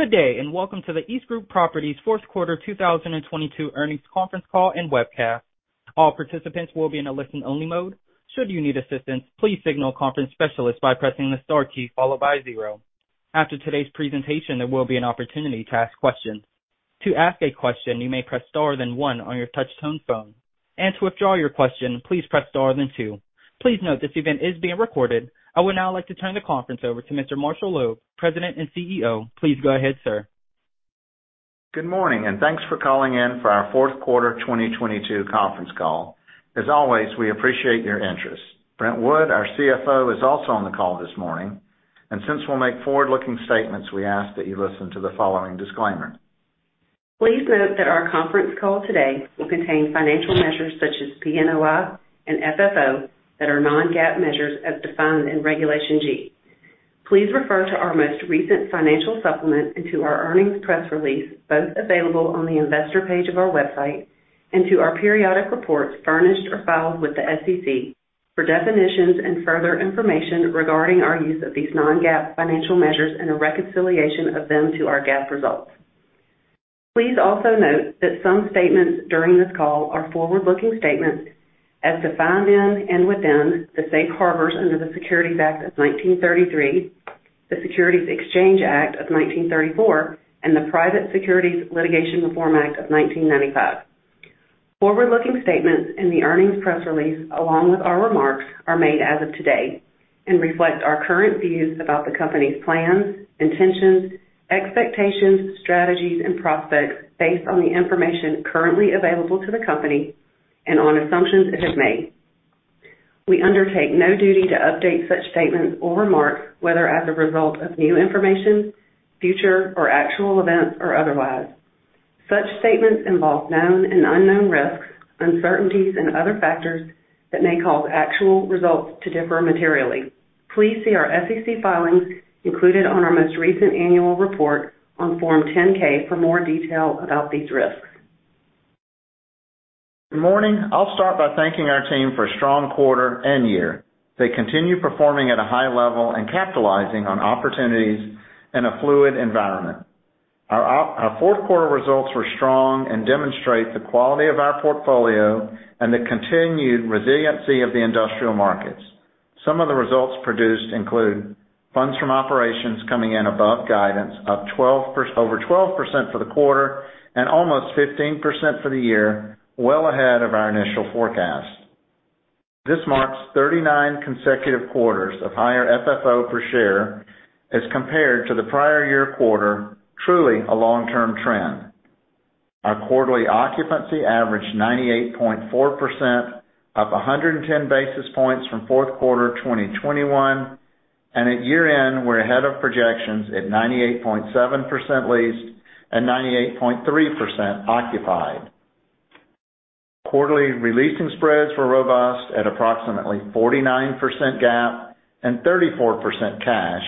Good day. Welcome to the EastGroup Properties fourth quarter 2022 earnings conference call and webcast. All participants will be in a listen-only mode. Should you need assistance, please signal conference specialist by pressing the star key followed by zero. After today's presentation, there will be an opportunity to ask questions. To ask a question, you may press star then one on your touch-tone phone. To withdraw your question, please press star then two. Please note this event is being recorded. I would now like to turn the conference over to Mr. Marshall Loeb, President and CEO. Please go ahead, sir. Good morning, thanks for calling in for our fourth quarter 2022 conference call. As always, we appreciate your interest. Brent Wood, our CFO, is also on the call this morning. Since we'll make forward-looking statements, we ask that you listen to the following disclaimer. Please note that our conference call today will contain financial measures such as PNOI and FFO that are non-GAAP measures as defined in Regulation G. Please refer to our most recent financial supplement into our earnings press release, both available on the Investor page of our website, and to our periodic reports furnished or filed with the SEC for definitions and further information regarding our use of these non-GAAP financial measures and a reconciliation of them to our GAAP results. Please also note that some statements during this call are forward-looking statements as defined in and within the Safe Harbors under the Securities Act of 1933, the Securities Exchange Act of 1934, and the Private Securities Litigation Reform Act of 1995. Forward-looking statements in the earnings press release, along with our remarks, are made as of today and reflect our current views about the company's plans, intentions, expectations, strategies, and prospects based on the information currently available to the company and on assumptions it has made. We undertake no duty to update such statements or remarks, whether as a result of new information, future or actual events, or otherwise. Such statements involve known and unknown risks, uncertainties, and other factors that may cause actual results to differ materially. Please see our SEC filings included on our most recent annual report on Form 10-K for more detail about these risks. Good morning. I'll start by thanking our team for a strong quarter and year. They continue performing at a high level and capitalizing on opportunities in a fluid environment. Our fourth quarter results were strong and demonstrate the quality of our portfolio and the continued resiliency of the industrial markets. Some of the results produced include funds from operations coming in above guidance, up over 12% for the quarter and almost 15% for the year, well ahead of our initial forecast. This marks 39 consecutive quarters of higher FFO per share as compared to the prior year quarter, truly a long-term trend. Our quarterly occupancy averaged 98.4%, up 110 basis points from fourth quarter 2021. At year-end, we're ahead of projections at 98.7% leased and 98.3% occupied. Quarterly re-leasing spreads were robust at approximately 49% GAAP and 34% cash.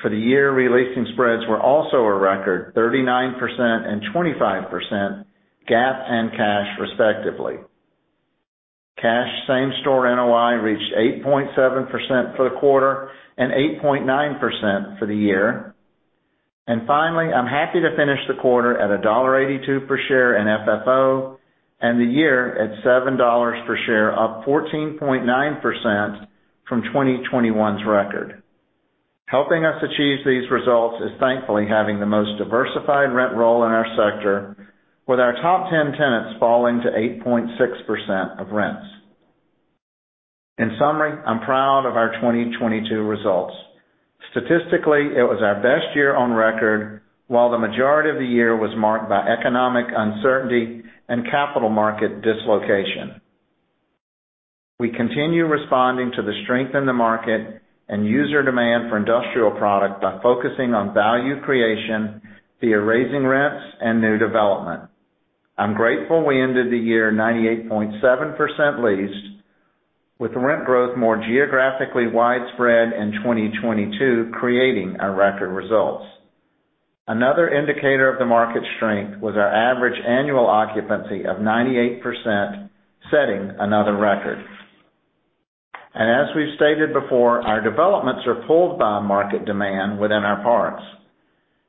For the year, re-leasing spreads were also a record, 39% and 25% GAAP and cash, respectively. Cash same-store NOI reached 8.7% for the quarter and 8.9% for the year. Finally, I'm happy to finish the quarter at $1.82 per share in FFO and the year at $7 per share, up 14.9% from 2021's record. Helping us achieve these results is thankfully having the most diversified rent roll in our sector, with our top 10 tenants falling to 8.6% of rents. In summary, I'm proud of our 2022 results. Statistically, it was our best year on record, while the majority of the year was marked by economic uncertainty and capital market dislocation. We continue responding to the strength in the market and user demand for industrial product by focusing on value creation via raising rents and new development. I'm grateful we ended the year 98.7% leased, with rent growth more geographically widespread in 2022, creating our record results. Another indicator of the market strength was our average annual occupancy of 98%, setting another record. As we've stated before, our developments are pulled by market demand within our parts.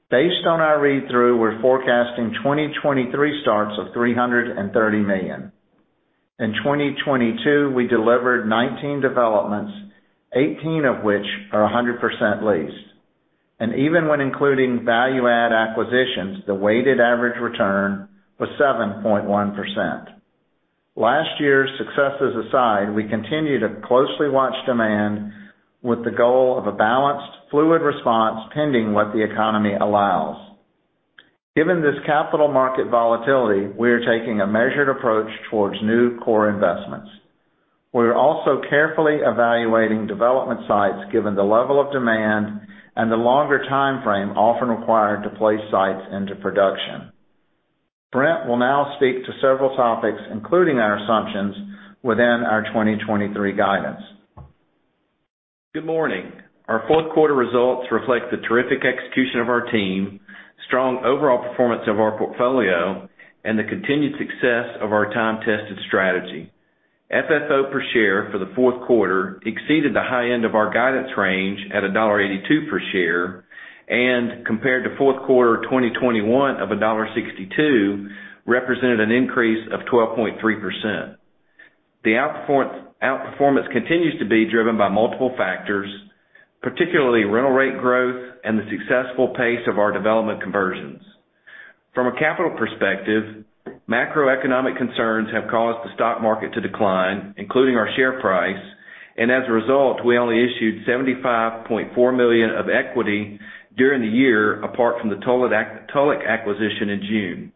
Based on our read-through, we're forecasting 2023 starts of $330 million. In 2022, we delivered 19 developments, 18 of which are 100% leased. Even when including value add acquisitions, the weighted average return was 7.1%. Last year's successes aside, we continue to closely watch demand with the goal of a balanced fluid response pending what the economy allows. Given this capital market volatility, we are taking a measured approach towards new core investments. We are also carefully evaluating development sites given the level of demand and the longer timeframe often required to place sites into production. Brent will now speak to several topics, including our assumptions within our 2023 guidance. Good morning. Our fourth quarter results reflect the terrific execution of our team, strong overall performance of our portfolio, and the continued success of our time-tested strategy. FFO per share for the fourth quarter exceeded the high end of our guidance range at $1.82 per share, and compared to fourth quarter 2021 of $1.62, represented an increase of 12.3%. The outperformance continues to be driven by multiple factors, particularly rental rate growth and the successful pace of our development conversions. From a capital perspective, macroeconomic concerns have caused the stock market to decline, including our share price, and as a result, we only issued $75.4 million of equity during the year, apart from the Tulloch acquisition in June.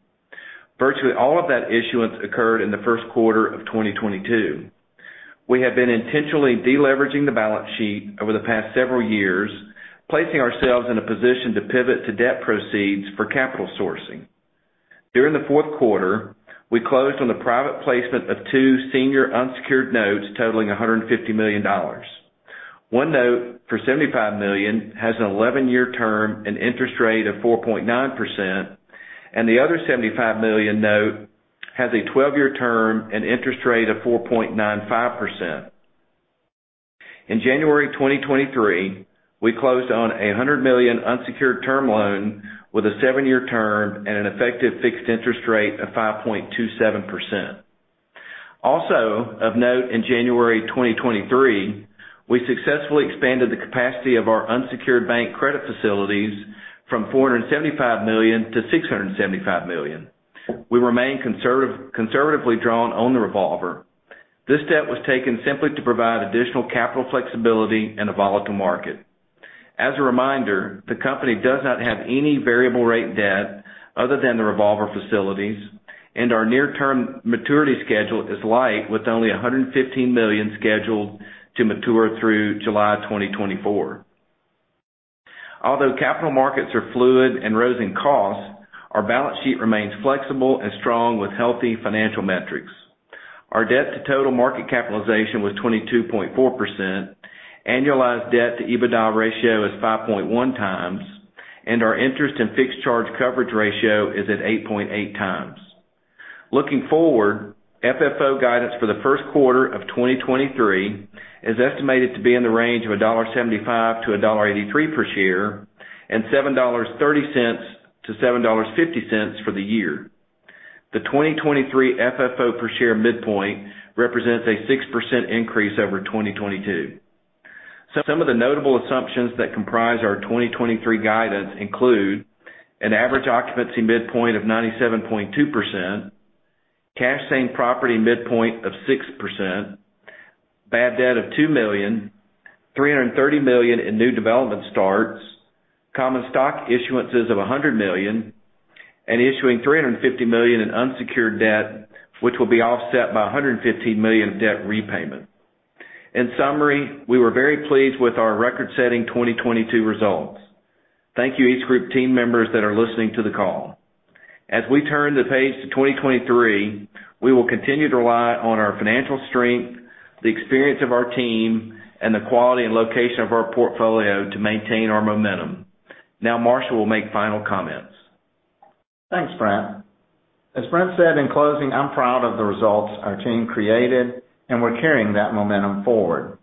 Virtually all of that issuance occurred in the first quarter of 2022. We have been intentionally de-leveraging the balance sheet over the past several years, placing ourselves in a position to pivot to debt proceeds for capital sourcing. During the fourth quarter, we closed on the private placement of two senior unsecured notes totaling $150 million. One note for $75 million has an 11-year term and interest rate of 4.9%, and the other $75 million note has a 12-year term and interest rate of 4.95%. In January 2023, we closed on a $100 million unsecured term loan with a seven-year term and an effective fixed interest rate of 5.27%. Also of note, in January 2023, we successfully expanded the capacity of our unsecured bank credit facilities from $475 million to $675 million. We remain conservatively drawn on the revolver. This step was taken simply to provide additional capital flexibility in a volatile market. As a reminder, the company does not have any variable rate debt other than the revolver facilities, and our near term maturity schedule is light, with only $115 million scheduled to mature through July 2024. Although capital markets are fluid and rising costs, our balance sheet remains flexible and strong with healthy financial metrics. Our debt to total market capitalization was 22.4%. Annualized debt to EBITDA ratio is 5.1x, and our interest in fixed charge coverage ratio is at 8.8x. Looking forward, FFO guidance for the first quarter of 2023 is estimated to be in the range of $1.75-$1.83 per share and $7.30-$7.50 for the year. The 2023 FFO per share midpoint represents a 6% increase over 2022. Some of the notable assumptions that comprise our 2023 guidance include an average occupancy midpoint of 97.2%, cash paying property midpoint of 6%, bad debt of $2 million, $330 million in new development starts, common stock issuances of $100 million, and issuing $350 million in unsecured debt, which will be offset by $115 million of debt repayment. In summary, we were very pleased with our record setting 2022 results. Thank you EastGroup team members that are listening to the call. As we turn the page to 2023, we will continue to rely on our financial strength, the experience of our team, and the quality and location of our portfolio to maintain our momentum. Now Marshall will make final comments. Thanks, Brent. As Brent said in closing, I'm proud of the results our team created, and we're carrying that momentum forward.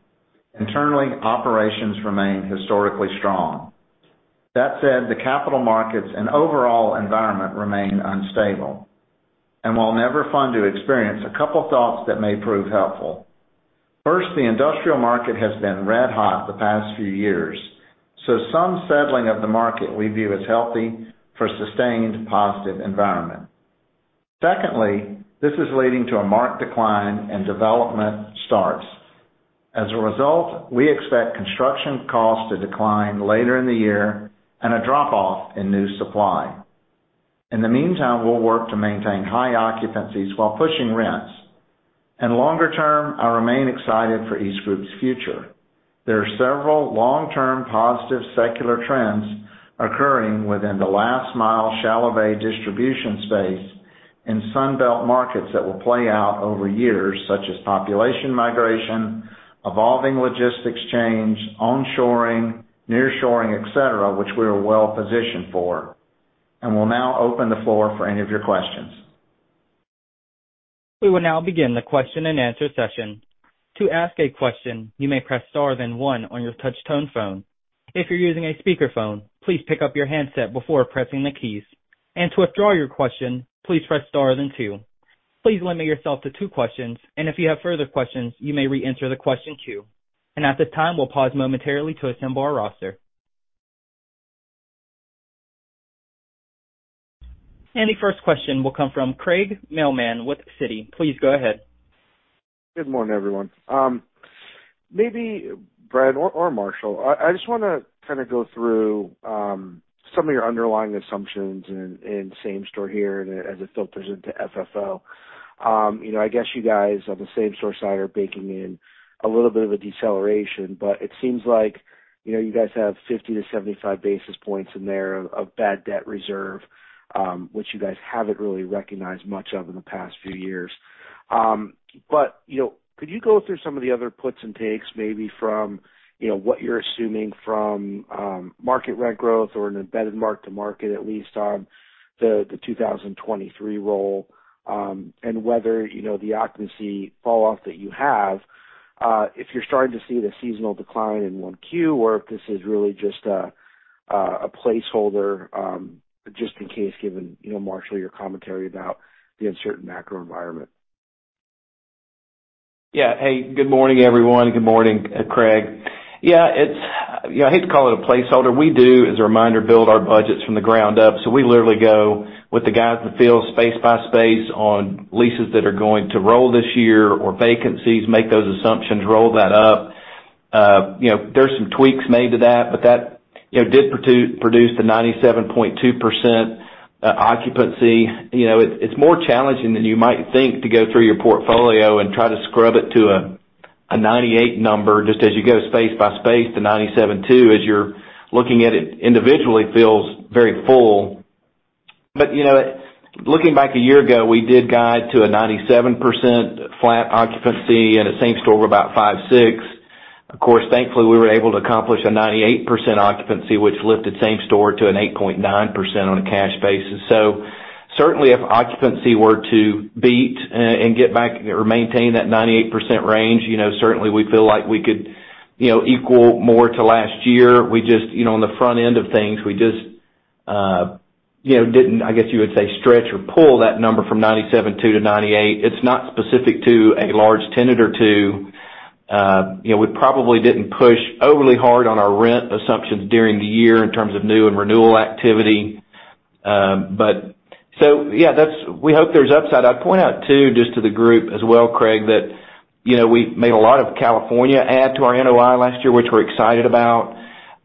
Internally, operations remain historically strong. That said, the capital markets and overall environment remain unstable. While never fun to experience, two thoughts that may prove helpful. First, the industrial market has been red hot the past few years, so some settling of the market we view as healthy for sustained positive environment. Secondly, this is leading to a marked decline in development starts. As a result, we expect construction costs to decline later in the year and a drop off in new supply. In the meantime, we'll work to maintain high occupancies while pushing rents. Longer term, I remain excited for EastGroup's future. There are several long-term positive secular trends occurring within the last mile shallow bay distribution space in Sun Belt markets that will play out over years, such as population migration, evolving logistics change, onshoring, near-shoring, et cetera, which we are well positioned for. We'll now open the floor for any of your questions. We will now begin the question-and-answer session. To ask a question, you may press star then one on your touch tone phone. If you're using a speakerphone, please pick up your handset before pressing the keys. To withdraw your question, please press star then two. Please limit yourself to two questions, and if you have further questions, you may reenter the question queue. At this time, we'll pause momentarily to assemble our roster. The first question will come from Craig Mailman with Citi. Please go ahead. Good morning, everyone. maybe Brent or Marshall, I just want to kind of go through some of your underlying assumptions in same-store here and as it filters into FFO. you know, I guess you guys on the same-store side are baking in a little bit of a deceleration, but it seems like, you know, you guys have 50 to 75 basis points in there of bad debt reserve, which you guys haven't really recognized much of in the past few years. you know, could you go through some of the other puts and takes maybe from, you know, what you're assuming from market rent growth or an embedded mark to market at least on The 2023 roll, and whether, you know, the occupancy fall off that you have, if you're starting to see the seasonal decline in 1Q or if this is really just a placeholder, just in case given, you know, Marshall, your commentary about the uncertain macro environment. Yeah. Hey, good morning, everyone. Good morning, Craig. Yeah, you know, I hate to call it a placeholder. We do, as a reminder, build our budgets from the ground up. We literally go with the guys in the field space by space on leases that are going to roll this year or vacancies, make those assumptions, roll that up. You know, there's some tweaks made to that, but that, you know, did produce the 97.2% occupancy. You know, it's more challenging than you might think to go through your portfolio and try to scrub it to a 98 number just as you go space by space to 97.2, as you're looking at it individually feels very full. You know, looking back a year ago, we did guide to a 97% flat occupancy and a same store of about 5%-6%. Of course, thankfully, we were able to accomplish a 98% occupancy, which lifted same store to an 8.9% on a cash basis. Certainly, if occupancy were to beat and get back or maintain that 98% range, you know, certainly we feel like we could, you know, equal more to last year. We just, you know, on the front end of things, we just, you know, didn't, I guess you would say, stretch or pull that number from 97.2% to 98%. It's not specific to a large tenant or two. You know, we probably didn't push overly hard on our rent assumptions during the year in terms of new and renewal activity. Yeah, that's we hope there's upside. I'd point out too, just to the group as well, Craig, that, you know, we made a lot of California add to our NOI last year, which we're excited about.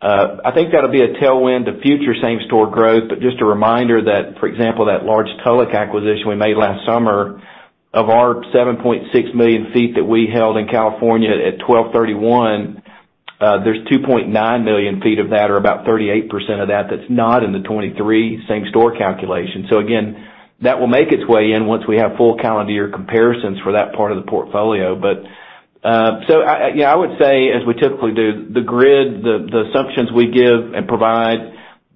I think that'll be a tailwind to future same-store growth. Just a reminder that, for example, that large Tulloch acquisition we made last summer, of our 7.6 million feet that we held in California at 12/31, there's 2.9 million feet of that or about 38% of that that's not in the 23 same-store calculation. Again, that will make its way in once we have full calendar year comparisons for that part of the portfolio. I would say, as we typically do, the grid, the assumptions we give and provide,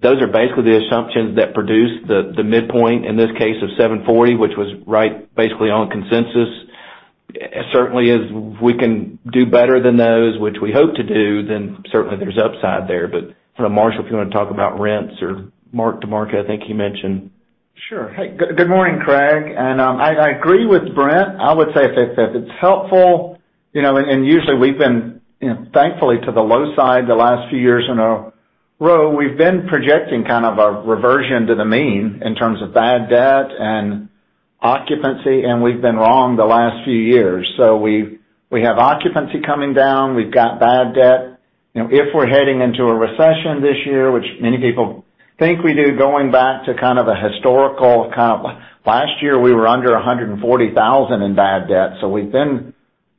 those are basically the assumptions that produce the midpoint, in this case of 740, which was right basically on consensus. Certainly as we can do better than those, which we hope to do, certainly there's upside there. I don't know, Marshall, if you want to talk about rents or mark to market, I think you mentioned. Sure. Hey, good morning, Craig. I agree with Brent. I would say, if it's helpful, you know, and usually we've been, you know, thankfully to the low side the last few years in a row, we've been projecting kind of a reversion to the mean in terms of bad debt and occupancy, and we've been wrong the last few years. We have occupancy coming down. We've got bad debt. You know, if we're heading into a recession this year, which many people think we do, going back to kind of a historical kind of... Last year, we were under $140,000 in bad debt. We've been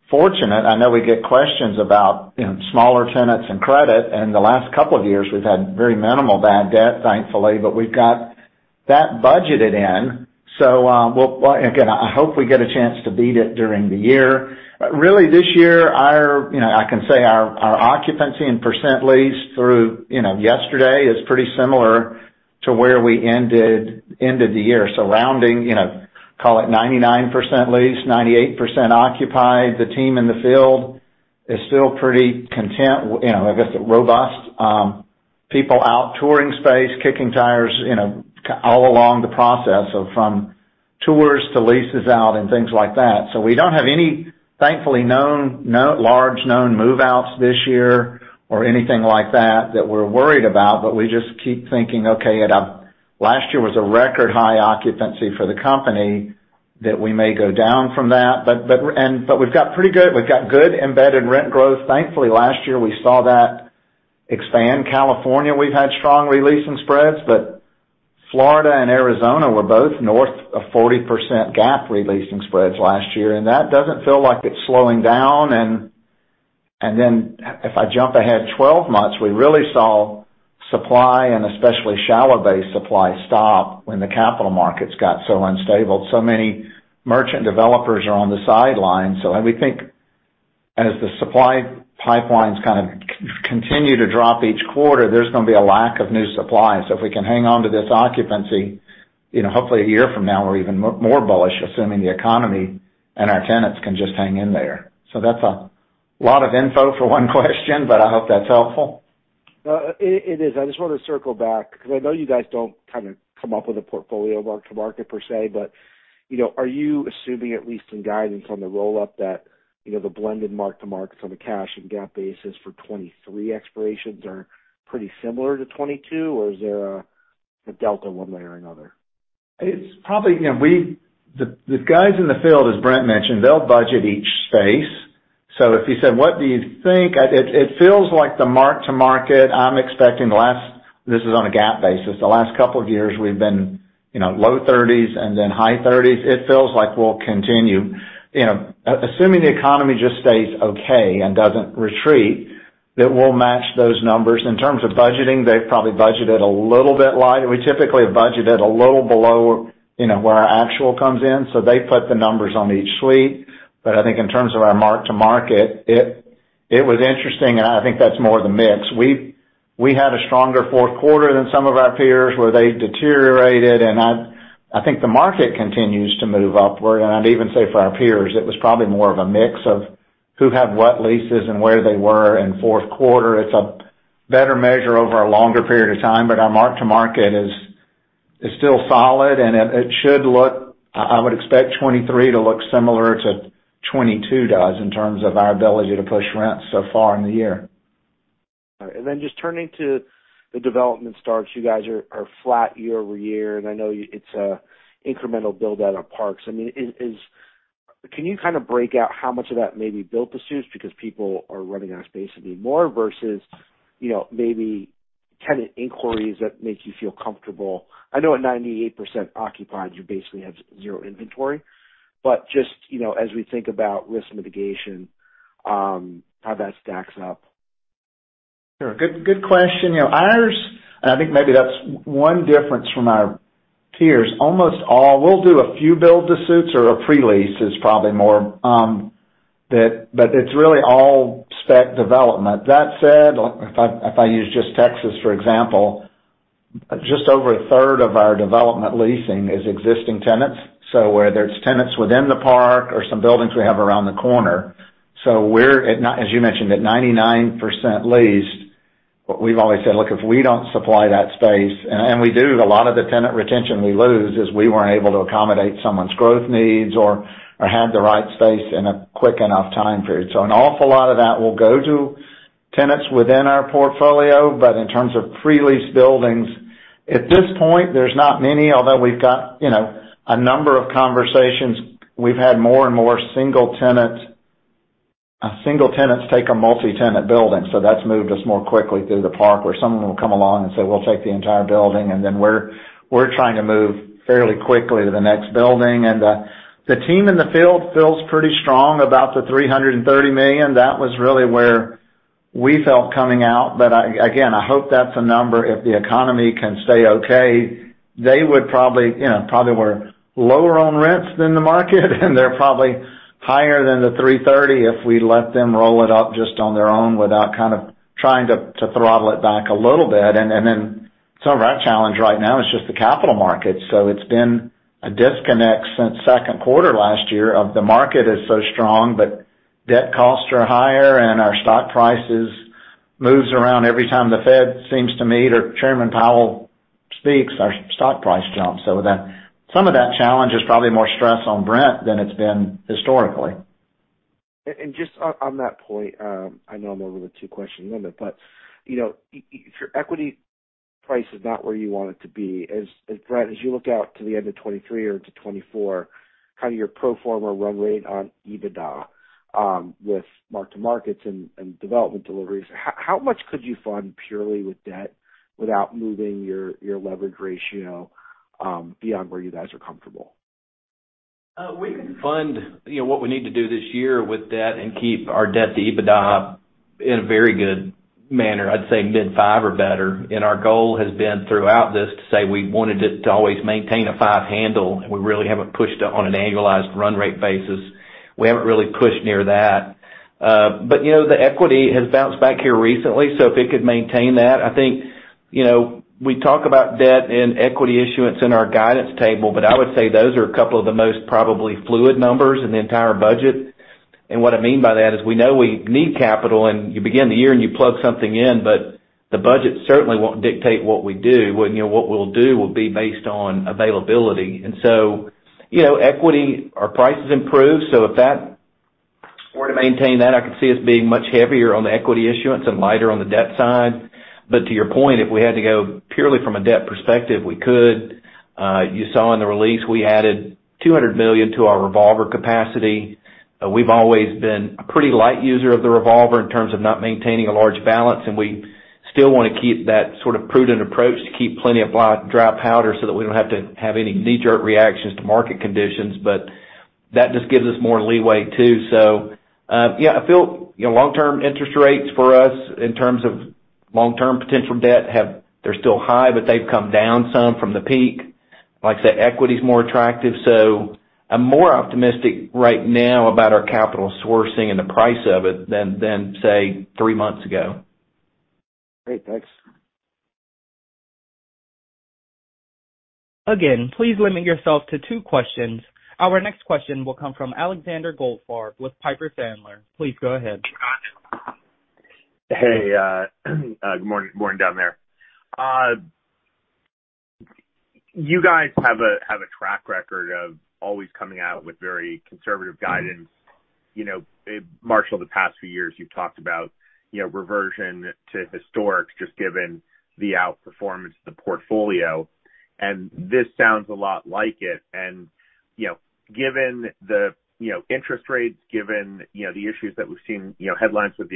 fortunate. I know we get questions about, you know, smaller tenants and credit, and the last couple of years, we've had very minimal bad debt, thankfully. We've got that budgeted in, so we'll. Again, I hope we get a chance to beat it during the year. Really this year, our, you know, I can say our occupancy and percent lease through, you know, yesterday is pretty similar to where we ended the year. Rounding, you know, call it 99% lease, 98% occupied. The team in the field is still pretty content, you know, I guess, robust. People out touring space, kicking tires, you know, all along the process of, from tours to leases out and things like that. We don't have any, thankfully, no large known move-outs this year or anything like that we're worried about. We just keep thinking, okay, last year was a record high occupancy for the company, that we may go down from that. We've got good embedded rent growth. Thankfully, last year, we saw that expand. California, we've had strong re-leasing spreads, but Florida and Arizona were both north of 40% GAAP re-leasing spreads last year. That doesn't feel like it's slowing down. If I jump ahead 12 months, we really saw supply, and especially shallow bay supply stop when the capital markets got so unstable. Many merchant developers are on the sidelines. We think as the supply pipelines kind of continue to drop each quarter, there's going to be a lack of new supply. If we can hang on to this occupancy, you know, hopefully a year from now or even more bullish, assuming the economy and our tenants can just hang in there. That's a lot of info for one question, but I hope that's helpful. No, it is. I just want to circle back because I know you guys don't kind of come up with a portfolio mark to market per se, but, you know, are you assuming at least some guidance on the roll-up that, you know, the blended mark to markets on a cash and GAAP basis for 2023 expirations are pretty similar to 2022? Or is there a delta one way or another? It's probably. You know, the guys in the field, as Brent mentioned, they'll budget each space. If you said, what do you think? It feels like the mark to market, I'm expecting the last. This is on a GAAP basis. The last couple of years, we've been, you know, low 30s and then high 30s. It feels like we'll continue. You know, assuming the economy just stays okay and doesn't retreat, it will match those numbers. In terms of budgeting, they've probably budgeted a little bit light. We typically have budgeted a little below, you know, where our actual comes in, so they put the numbers on each suite. I think in terms of our mark to market, It was interesting, and I think that's more the mix. We had a stronger fourth quarter than some of our peers, where they deteriorated. I think the market continues to move upward. I'd even say for our peers, it was probably more of a mix of who had what leases and where they were in fourth quarter. It's a better measure over a longer period of time, Our mark to market is still solid and it should look... I would expect 2023 to look similar to 2022 does in terms of our ability to push rents so far in the year. All right. Just turning to the development starts. You guys are flat year-over-year, and I know it's a incremental build out of parks. I mean, can you kind of break out how much of that may be build-to-suits because people are running out of space and need more versus, you know, maybe tenant inquiries that make you feel comfortable? I know at 98% occupied, you basically have zero inventory. Just, you know, as we think about risk mitigation, how that stacks up. Sure. Good question. You know, ours, I think maybe that's one difference from our peers. We'll do a few build-to-suits or a pre-lease is probably more, it's really all spec development. That said, if I use just Texas, for example, just over 1/3 of our development leasing is existing tenants. Whether it's tenants within the park or some buildings we have around the corner. We're, as you mentioned, at 99% leased. We've always said, look, if we don't supply that space, and we do, a lot of the tenant retention we lose is we weren't able to accommodate someone's growth needs or had the right space in a quick enough time period. An awful lot of that will go to tenants within our portfolio. In terms of pre-lease buildings, at this point, there's not many, although we've got, you know, a number of conversations. We've had more and more single tenants take a multi-tenant building, so that's moved us more quickly through the park, where someone will come along and say, "We'll take the entire building." We're trying to move fairly quickly to the next building. The team in the field feels pretty strong about the $330 million. That was really where we felt coming out. Again, I hope that's a number, if the economy can stay okay, they would probably, you know, probably were lower on rents than the market, and they're probably higher than the $330 million if we let them roll it up just on their own without kind of trying to throttle it back a little bit. Some of our challenge right now is just the capital markets. It's been a disconnect since second quarter last year of the market is so strong, but debt costs are higher and our stock prices moves around every time the Fed seems to meet or Chairman Powell speaks, our stock price jumps. That some of that challenge is probably more stress on Brent than it's been historically. Just on that point, I know I'm over the two-question limit, you know, if your equity price is not where you want it to be, as Brent, as you look out to the end of 2023 or to 2024, kind of your pro forma run rate on EBITDA, with mark to markets and development deliveries, how much could you fund purely with debt without moving your leverage ratio beyond where you guys are comfortable? We can fund, you know, what we need to do this year with debt and keep our debt-to-EBITDA in a very good manner. I'd say mid-5 or better. Our goal has been throughout this to say we wanted it to always maintain a 5 handle. We really haven't pushed on an annualized run rate basis. We haven't really pushed near that. But you know, the equity has bounced back here recently, so if it could maintain that, I think, you know, we talk about debt and equity issuance in our guidance table, but I would say those are a couple of the most probably fluid numbers in the entire budget. What I mean by that is we know we need capital, and you begin the year and you plug something in, but the budget certainly won't dictate what we do. What, you know, what we'll do will be based on availability. you know, equity, our prices improve. If that were to maintain that, I could see us being much heavier on the equity issuance and lighter on the debt side. To your point, if we had to go purely from a debt perspective, we could. You saw in the release we added $200 million to our revolver capacity. We've always been a pretty light user of the revolver in terms of not maintaining a large balance, and we still want to keep that sort of prudent approach to keep plenty of dry powder so that we don't have to have any knee-jerk reactions to market conditions. That just gives us more leeway too. yeah, I feel, you know, long-term interest rates for us in terms of long-term potential debt have... They're still high, but they've come down some from the peak. Like I said, equity is more attractive, so I'm more optimistic right now about our capital sourcing and the price of it than say, three months ago. Great. Thanks. Again, please limit yourself to two questions. Our next question will come from Alexander Goldfarb with Piper Sandler. Please go ahead. Hey, good morning, good morning down there. You guys have a track record of always coming out with very conservative guidance. You know, Marshall, the past few years, you've talked about, you know, reversion to historic, just given the outperformance of the portfolio, and this sounds a lot like it. You know, given the, you know, interest rates, given, you know, the issues that we've seen, you know, headlines with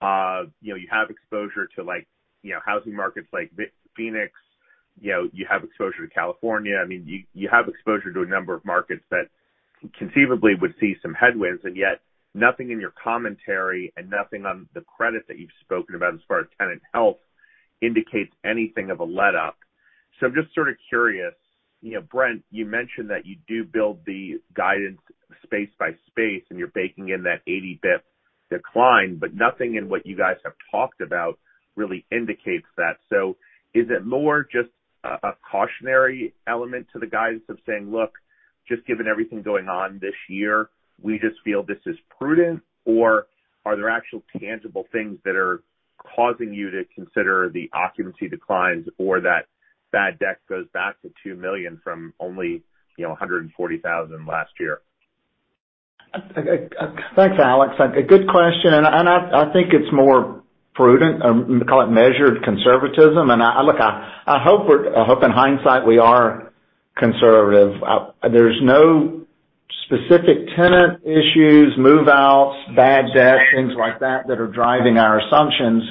the economy, you know, you have exposure to like, you know, housing markets like Phoenix, you know, you have exposure to California. I mean, you have exposure to a number of markets that conceivably would see some headwinds, and yet nothing in your commentary and nothing on the credit that you've spoken about as far as tenant health indicates anything of a letup. I'm just sort of curious. You know, Brent, you mentioned that you do build the guidance space by space, and you're baking in that 80 bip decline, but nothing in what you guys have talked about really indicates that. Is it more just a cautionary element to the guidance of saying, "Look, just given everything going on this year, we just feel this is prudent," or are there actual tangible things that are causing you to consider the occupancy declines or that bad debt goes back to $2 million from only, you know, $140,000 last year? Thanks, Alex. A good question, I think it's more prudent, call it measured conservatism. I hope in hindsight we are conservative. There's no specific tenant issues, move-outs, bad debt, things like that are driving our assumptions,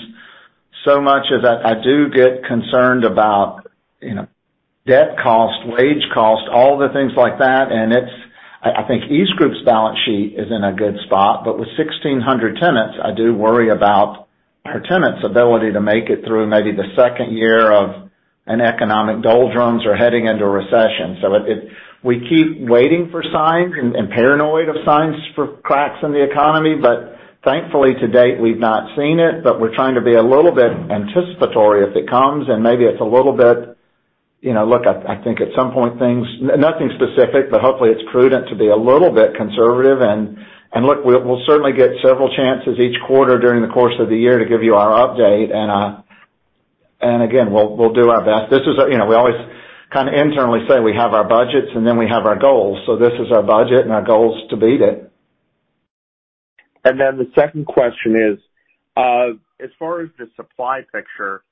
so much as I do get concerned about, you know, debt cost, wage cost, all the things like that. I think EastGroup's balance sheet is in a good spot, but with 1,600 tenants, I do worry about our tenants' ability to make it through maybe the second year of an economic doldrums or heading into a recession. We keep waiting for signs and paranoid of signs for cracks in the economy, thankfully to date, we've not seen it. We're trying to be a little bit anticipatory if it comes, and maybe it's a little bit. You know, look, I think at some point, things. Nothing specific, but hopefully, it's prudent to be a little bit conservative. Look, we'll certainly get several chances each quarter during the course of the year to give you our update. Again, we'll do our best. This is, you know, we always kind of internally say we have our budgets and then we have our goals. This is our budget, and our goal is to beat it. Then the second question is, as far as the supply picture,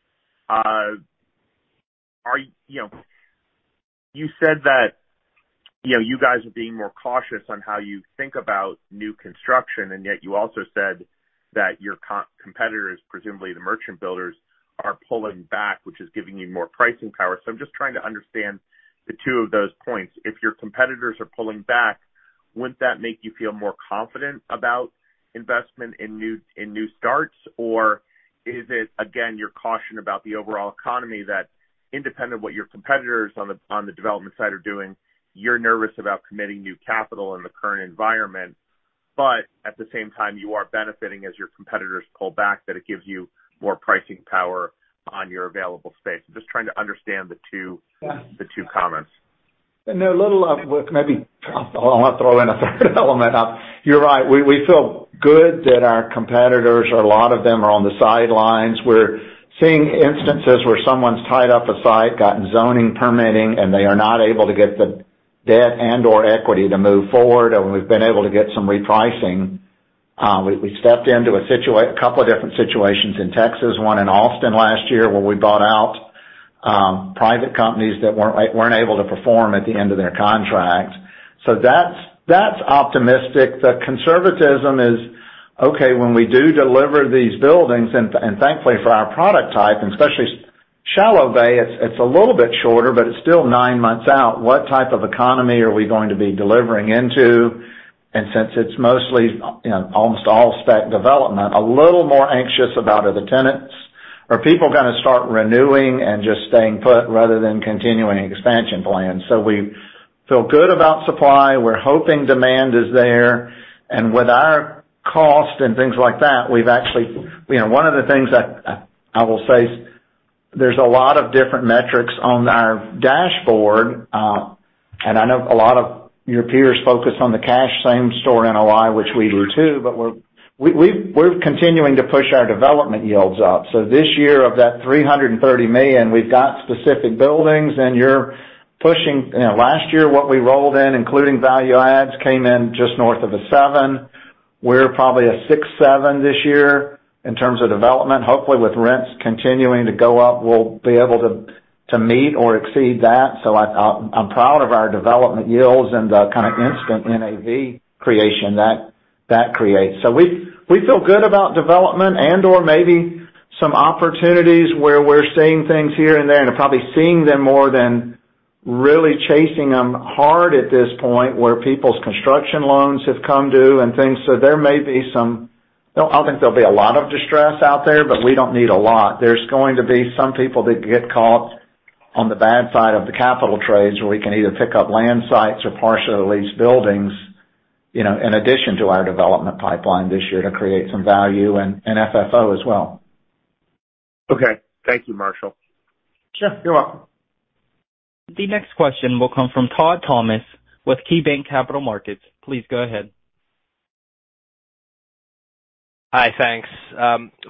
you know, you said that, you know, you guys are being more cautious on how you think about new construction, and yet you also said that your competitors, presumably the merchant builders, are pulling back, which is giving you more pricing power. I'm just trying to understand the two of those points. If your competitors are pulling back, wouldn't that make you feel more confident about investment in new starts? Is it, again, your caution about the overall economy that independent what your competitors on the development side are doing, you're nervous about committing new capital in the current environment, but at the same time, you are benefiting as your competitors pull back, that it gives you more pricing power on your available space? I'm just trying to understand the two, the two comments. A little, maybe I'll throw in a third element up. You're right. We feel good that our competitors or a lot of them are on the sidelines. We're seeing instances where someone's tied up a site, gotten zoning, permitting, and they are not able to get the debt and/or equity to move forward, and we've been able to get some repricing. We stepped into a couple of different situations in Texas, one in Austin last year, where we bought out private companies that weren't able to perform at the end of their contract. That's optimistic. The conservatism is, okay, when we do deliver these buildings, and thankfully for our product type, and especially shallow bay, it's a little bit shorter, but it's still nine months out, what type of economy are we going to be delivering into? Since it's mostly, you know, almost all spec development, a little more anxious about are the tenants. Are people going to start renewing and just staying put rather than continuing expansion plans? We feel good about supply. We're hoping demand is there. With our cost and things like that, we've actually... You know, one of the things that I will say is there's a lot of different metrics on our dashboard, and I know a lot of your peers focus on the cash same-store NOI, which we do too, but we're continuing to push our development yields up. This year of that $330 million, we've got specific buildings, and you're pushing... You know, last year, what we rolled in, including value adds, came in just north of a 7. We're probably a 6-7 this year in terms of development. Hopefully, with rents continuing to go up, we'll be able to meet or exceed that. I'm proud of our development yields and the kind of instant NAV creation that creates. We feel good about development and/or maybe some opportunities where we're seeing things here and there and probably seeing them more than really chasing them hard at this point where people's construction loans have come due and things. There may be some. I don't think there'll be a lot of distress out there, but we don't need a lot. There's going to be some people that get caught on the bad side of the capital trades where we can either pick up land sites or partially leased buildings, you know, in addition to our development pipeline this year to create some value and FFO as well. Okay. Thank you, Marshall. Sure. You're welcome. The next question will come from Todd Thomas with KeyBanc Capital Markets. Please go ahead. Hi, thanks.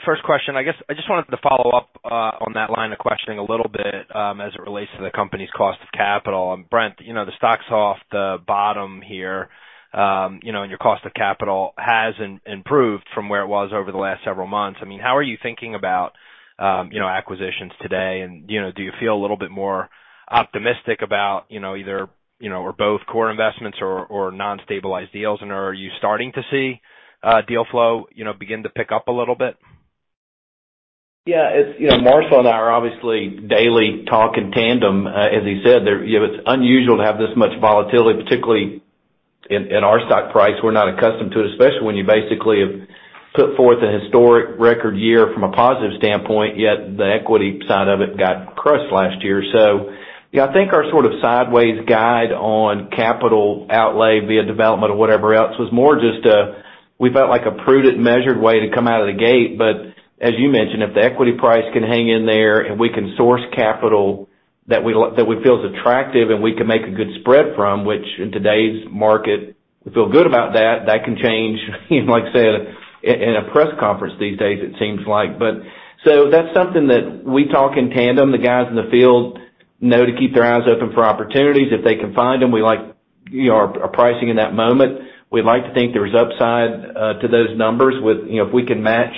First question, I guess I just wanted to follow up on that line of questioning a little bit, as it relates to the company's cost of capital. Brent, you know, the stock's off the bottom here, you know, and your cost of capital has improved from where it was over the last several months. I mean, how are you thinking about, you know, acquisitions today? Do you feel a little bit more optimistic about, you know, either, you know, or both core investments or non-stabilized deals? Are you starting to see deal flow, you know, begin to pick up little bit? As you know, Marshall and I are obviously daily talk in tandem. As he said, there, you know, it's unusual to have this much volatility, in our stock price, we're not accustomed to it, especially when you basically have put forth a historic record year from a positive standpoint, yet the equity side of it got crushed last year. Yeah, I think our sort of sideways guide on capital outlay via development or whatever else was more we felt like a prudent, measured way to come out of the gate. As you mentioned, if the equity price can hang in there and we can source capital that we feel is attractive and we can make a good spread from which in today's market, we feel good about that can change you know, like I said, in a press conference these days, it seems like. That's something that we talk in tandem. The guys in the field know to keep their eyes open for opportunities. If they can find them, we like, you know, our pricing in that moment. We'd like to think there's upside to those numbers with... You know, if we can match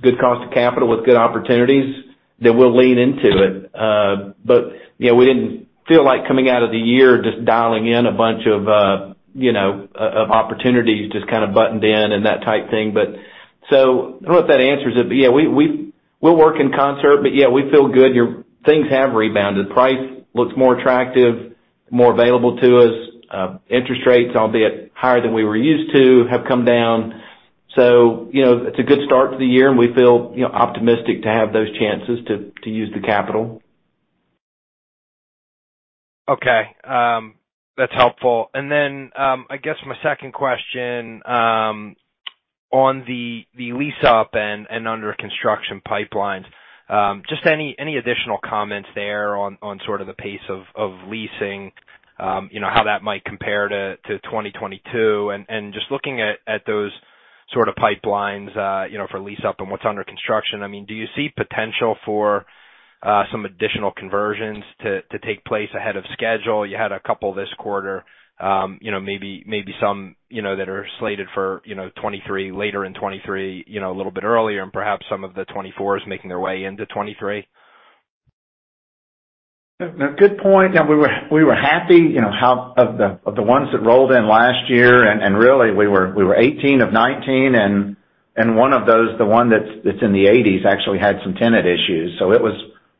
good cost of capital with good opportunities, then we'll lean into it. You know, we didn't feel like coming out of the year just dialing in a bunch of, you know, of opportunities just kind of buttoned in and that type thing. I hope that answers it. Yeah, we'll work in concert. Yeah, we feel good. Things have rebounded. Price looks more attractive, more available to us. Interest rates, albeit higher than we were used to, have come down. You know, it's a good start to the year, and we feel, you know, optimistic to have those chances to use the capital. Okay, that's helpful. Then, I guess my second question, on the lease-up and under construction pipelines, just any additional comments there on sort of the pace of leasing, you know, how that might compare to 2022. Just looking at those sort of pipelines, you know, for lease-up and what's under construction, I mean, do you see potential for, some additional conversions to take place ahead of schedule? You had a couple this quarter. You know, maybe some, you know, that are slated for, you know, 2023, later in 2023, you know, a little bit earlier, and perhaps some of the 2024s making their way into 2023. No, good point. No, we were happy, you know, of the ones that rolled in last year. Really we were 18 of 19 and one of those, the one that's in the 80s, actually had some tenant issues. It was,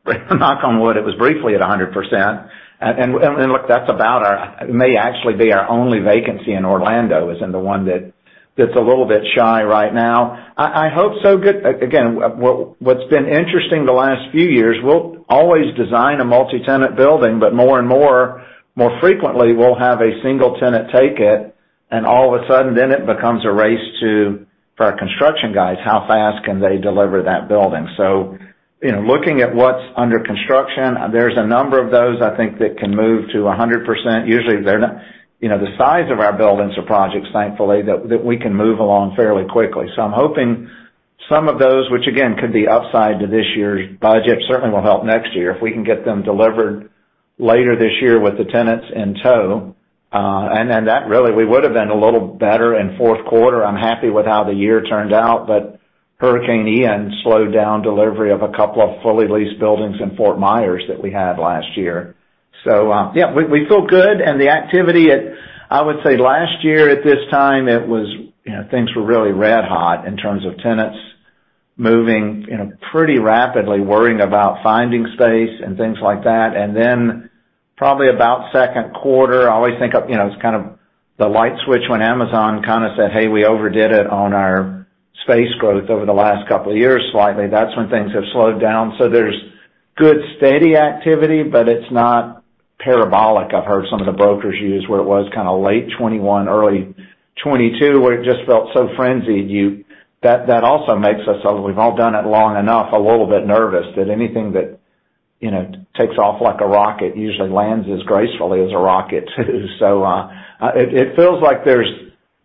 knock on wood, it was briefly at 100%. Look, that's about our... It may actually be our only vacancy in Orlando is in the one that's a little bit shy right now. I hope so. Again, what's been interesting the last few years, we'll always design a multi-tenant building, but more and more frequently, we'll have a single tenant take it, and all of a sudden then it becomes a race to, for our construction guys, how fast can they deliver that building? You know, looking at what's under construction, there's a number of those I think that can move to 100%. Usually, they're not. You know, the size of our buildings or projects, thankfully, that we can move along fairly quickly. I'm hoping some of those, which again, could be upside to this year's budget, certainly will help next year if we can get them delivered later this year with the tenants in tow. Then that really, we would have been a little better in fourth quarter. I'm happy with how the year turned out. Hurricane Ian slowed down delivery of a couple of fully leased buildings in Fort Myers that we had last year. Yeah, we feel good. The activity at, I would say, last year at this time, it was... You know, things were really red hot in terms of tenants moving, you know, pretty rapidly, worrying about finding space and things like that. Probably about second quarter, I always think of, you know, it's kind of the light switch when Amazon kind of said, "Hey, we overdid it on our space growth over the last couple of years slightly." That's when things have slowed down. There's good, steady activity, but it's not parabolic. I've heard some of the brokers use where it was kind of late 2021, early 2022, where it just felt so frenzied. That also makes us all, we've all done it long enough, a little bit nervous that anything that, you know, takes off like a rocket usually lands as gracefully as a rocket too. It feels like there's,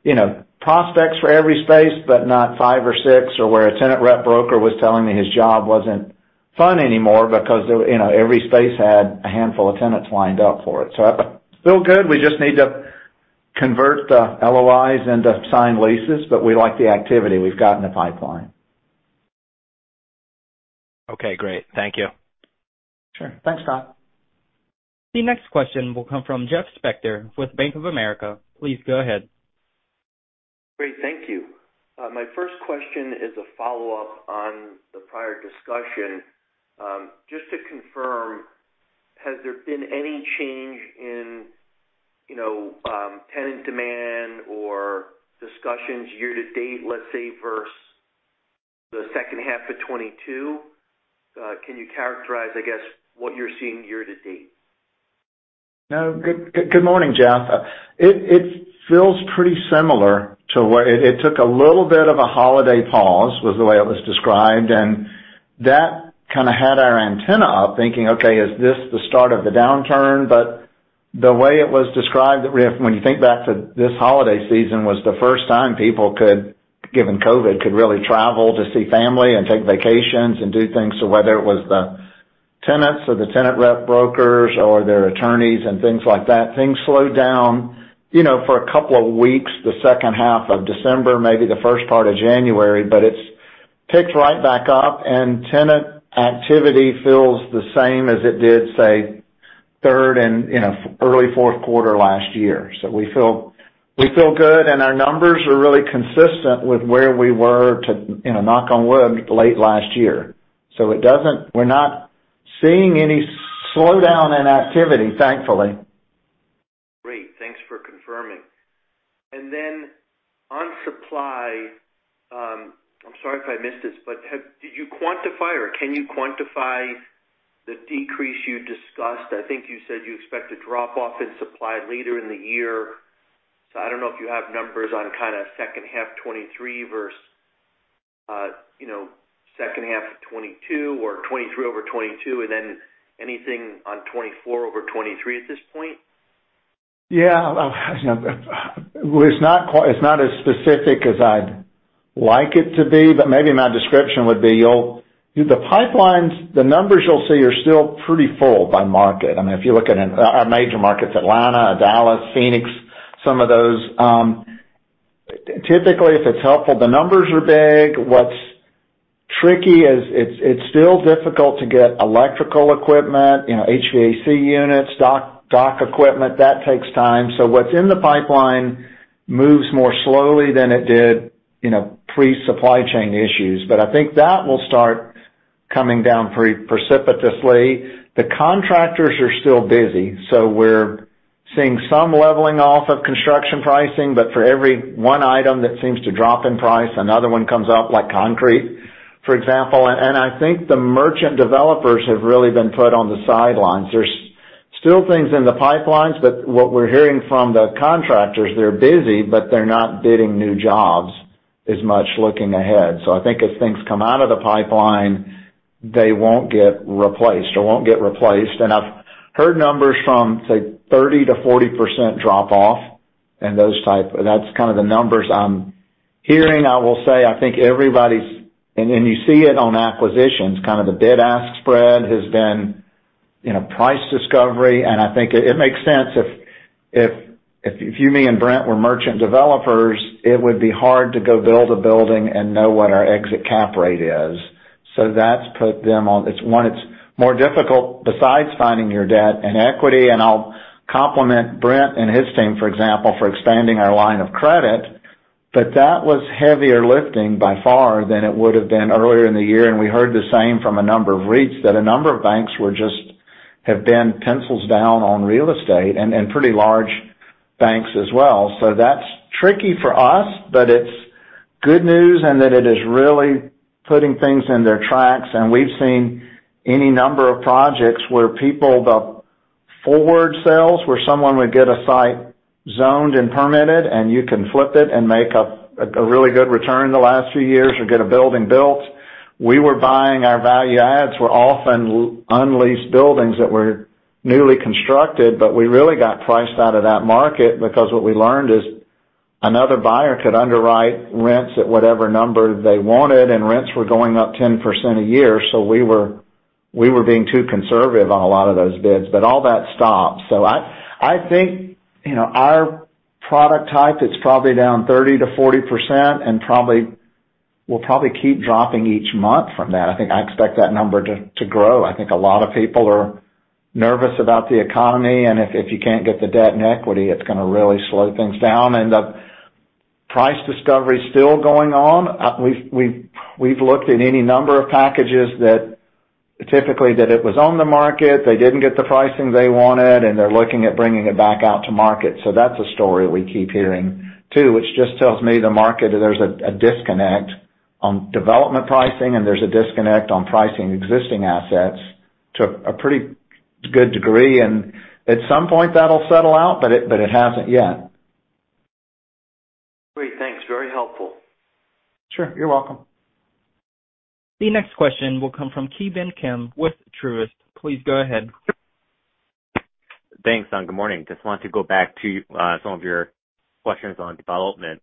you know, prospects for every space, but not five or six, or where a tenant rep broker was telling me his job wasn't fun anymore because, you know, every space had a handful of tenants lined up for it. Feel good. We just need to convert the LOIs into signed leases, we like the activity we've got in the pipeline. Okay, great. Thank you. Sure. Thanks, Todd. The next question will come from Jeff Spector with Bank of America. Please go ahead. Great. Thank you. My first question is a follow-up on the prior discussion. Just to confirm, has there been any change in, you know, tenant demand or discussions year to date, let's say, versus the second half of 2022? Can you characterize, I guess, what you're seeing year to date? No. Good, good morning, Jeff. It feels pretty similar to what. It took a little bit of a holiday pause, was the way it was described. That kind of had our antenna up, thinking, okay, is this the start of the downturn? The way it was described, when you think back to this holiday season, was the first time people could, given COVID, could really travel to see family and take vacations and do things. Whether it was the tenants or the tenant rep brokers or their attorneys and things like that, things slowed down, you know, for a couple of weeks, the second half of December, maybe the first part of January. It's picked right back up, and tenant activity feels the same as it did, say, third and, you know, early fourth quarter last year. We feel good, and our numbers are really consistent with where we were to, you know, knock on wood, late last year. It doesn't. We're not seeing any slowdown in activity, thankfully. Great. Thanks for confirming. On supply, I'm sorry if I missed this, but did you quantify or can you quantify the decrease you discussed? I think you said you expect a drop-off in supply later in the year. I don't know if you have numbers on kinda second half 2023 versus, you know, second half of 2022 or 2023 over 2022, and then anything on 2024 over 2023 at this point. Yeah, you know, well, it's not as specific as I'd like it to be. Maybe my description would be you'll. The pipelines, the numbers you'll see are still pretty full by market. I mean, if you look at our major markets, Atlanta, Dallas, Phoenix, some of those, typically, if it's helpful, the numbers are big. What's tricky is it's still difficult to get electrical equipment, you know, HVAC units, doc equipment, that takes time. What's in the pipeline moves more slowly than it did, you know, pre-supply chain issues. I think that will start coming down pre-precipitously. The contractors are still busy. We're seeing some leveling off of construction pricing. For every one item that seems to drop in price, another one comes up, like concrete, for example. I think the merchant developers have really been put on the sidelines. There's still things in the pipelines. What we're hearing from the contractors, they're busy, but they're not bidding new jobs as much looking ahead. I think as things come out of the pipeline, they won't get replaced. I've heard numbers from, say, 30%-40% drop off and those type. That's kinda the numbers I'm hearing. I will say I think everybody's... You see it on acquisitions, kind of the bid-ask spread has been, you know, price discovery. I think it makes sense if you, me, and Brent were merchant developers, it would be hard to go build a building and know what our exit cap rate is. That's put them on... It's one, it's more difficult besides finding your debt and equity. I'll compliment Brent and his team, for example, for expanding our line of credit. That was heavier lifting by far than it would have been earlier in the year. We heard the same from a number of REITs, that a number of banks have been pencils down on real estate and pretty large banks as well. That's tricky for us, but it's good news and that it is really putting things in their tracks. We've seen any number of projects where people, the forward sales, where someone would get a site zoned and permitted, and you can flip it and make a really good return the last few years or get a building built. We were buying our value adds were often unleased buildings that were newly constructed, but we really got priced out of that market because what we learned is another buyer could underwrite rents at whatever number they wanted, and rents were going up 10% a year. We were being too conservative on a lot of those bids, but all that stopped. I think, you know, our product type is probably down 30%-40% and probably, will probably keep dropping each month from that. I think I expect that number to grow. I think a lot people are nervous about the economy, and if you can't get the debt and equity, it's going to really slow things down. The price discovery is still going on. We've looked at any number of packages that typically it was on the market, they didn't get the pricing they wanted, and they're looking at bringing it back out to market. That's a story we keep hearing too, which just tells me the market, there's a disconnect on development pricing and there's a disconnect on pricing existing assets to a pretty good degree. At some point, that'll settle out, but it hasn't yet. Great. Thanks. Very helpful. Sure. You're welcome. The next question will come from Ki Bin Kim with Truist. Please go ahead. Thanks. Good morning. Just wanted to go back to some of your questions on development.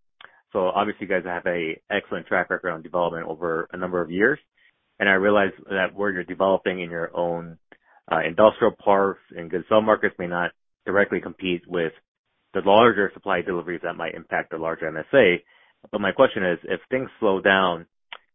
Obviously, you guys have a excellent track record on development over a number of years. I realize that where you're developing in your own industrial parks in good zone markets may not directly compete with the larger supply deliveries that might impact the larger MSA. My question is: If things slow down,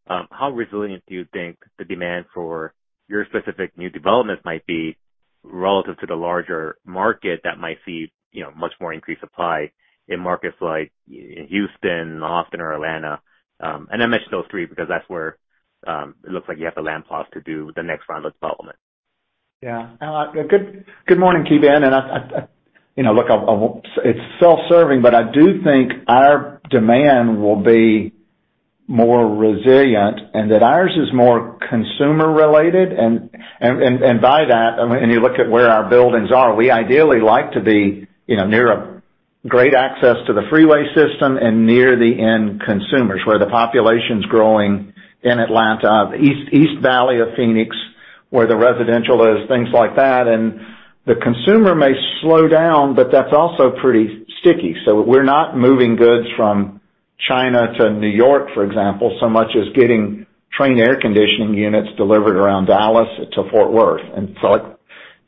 how resilient do you think the demand for your specific new developments might be relative to the larger market that might see, you know, much more increased supply in markets like Houston, Austin, or Atlanta? I mentioned those three because that's where it looks like you have the land plots to do the next round of development. Good morning, Ki Bin. I, you know, look, I'm, it's self-serving, but I do think our demand will be more resilient and that ours is more consumer-related. By that, I mean, you look at where our buildings are, we ideally like to be, you know, near a great access to the freeway system and near the end consumers, where the population's growing in Atlanta, East Valley of Phoenix, where the residential is, things like that. The consumer may slow down, but that's also pretty sticky. We're not moving goods from China to New York, for example, so much as getting Trane air conditioning units delivered around Dallas to Fort Worth,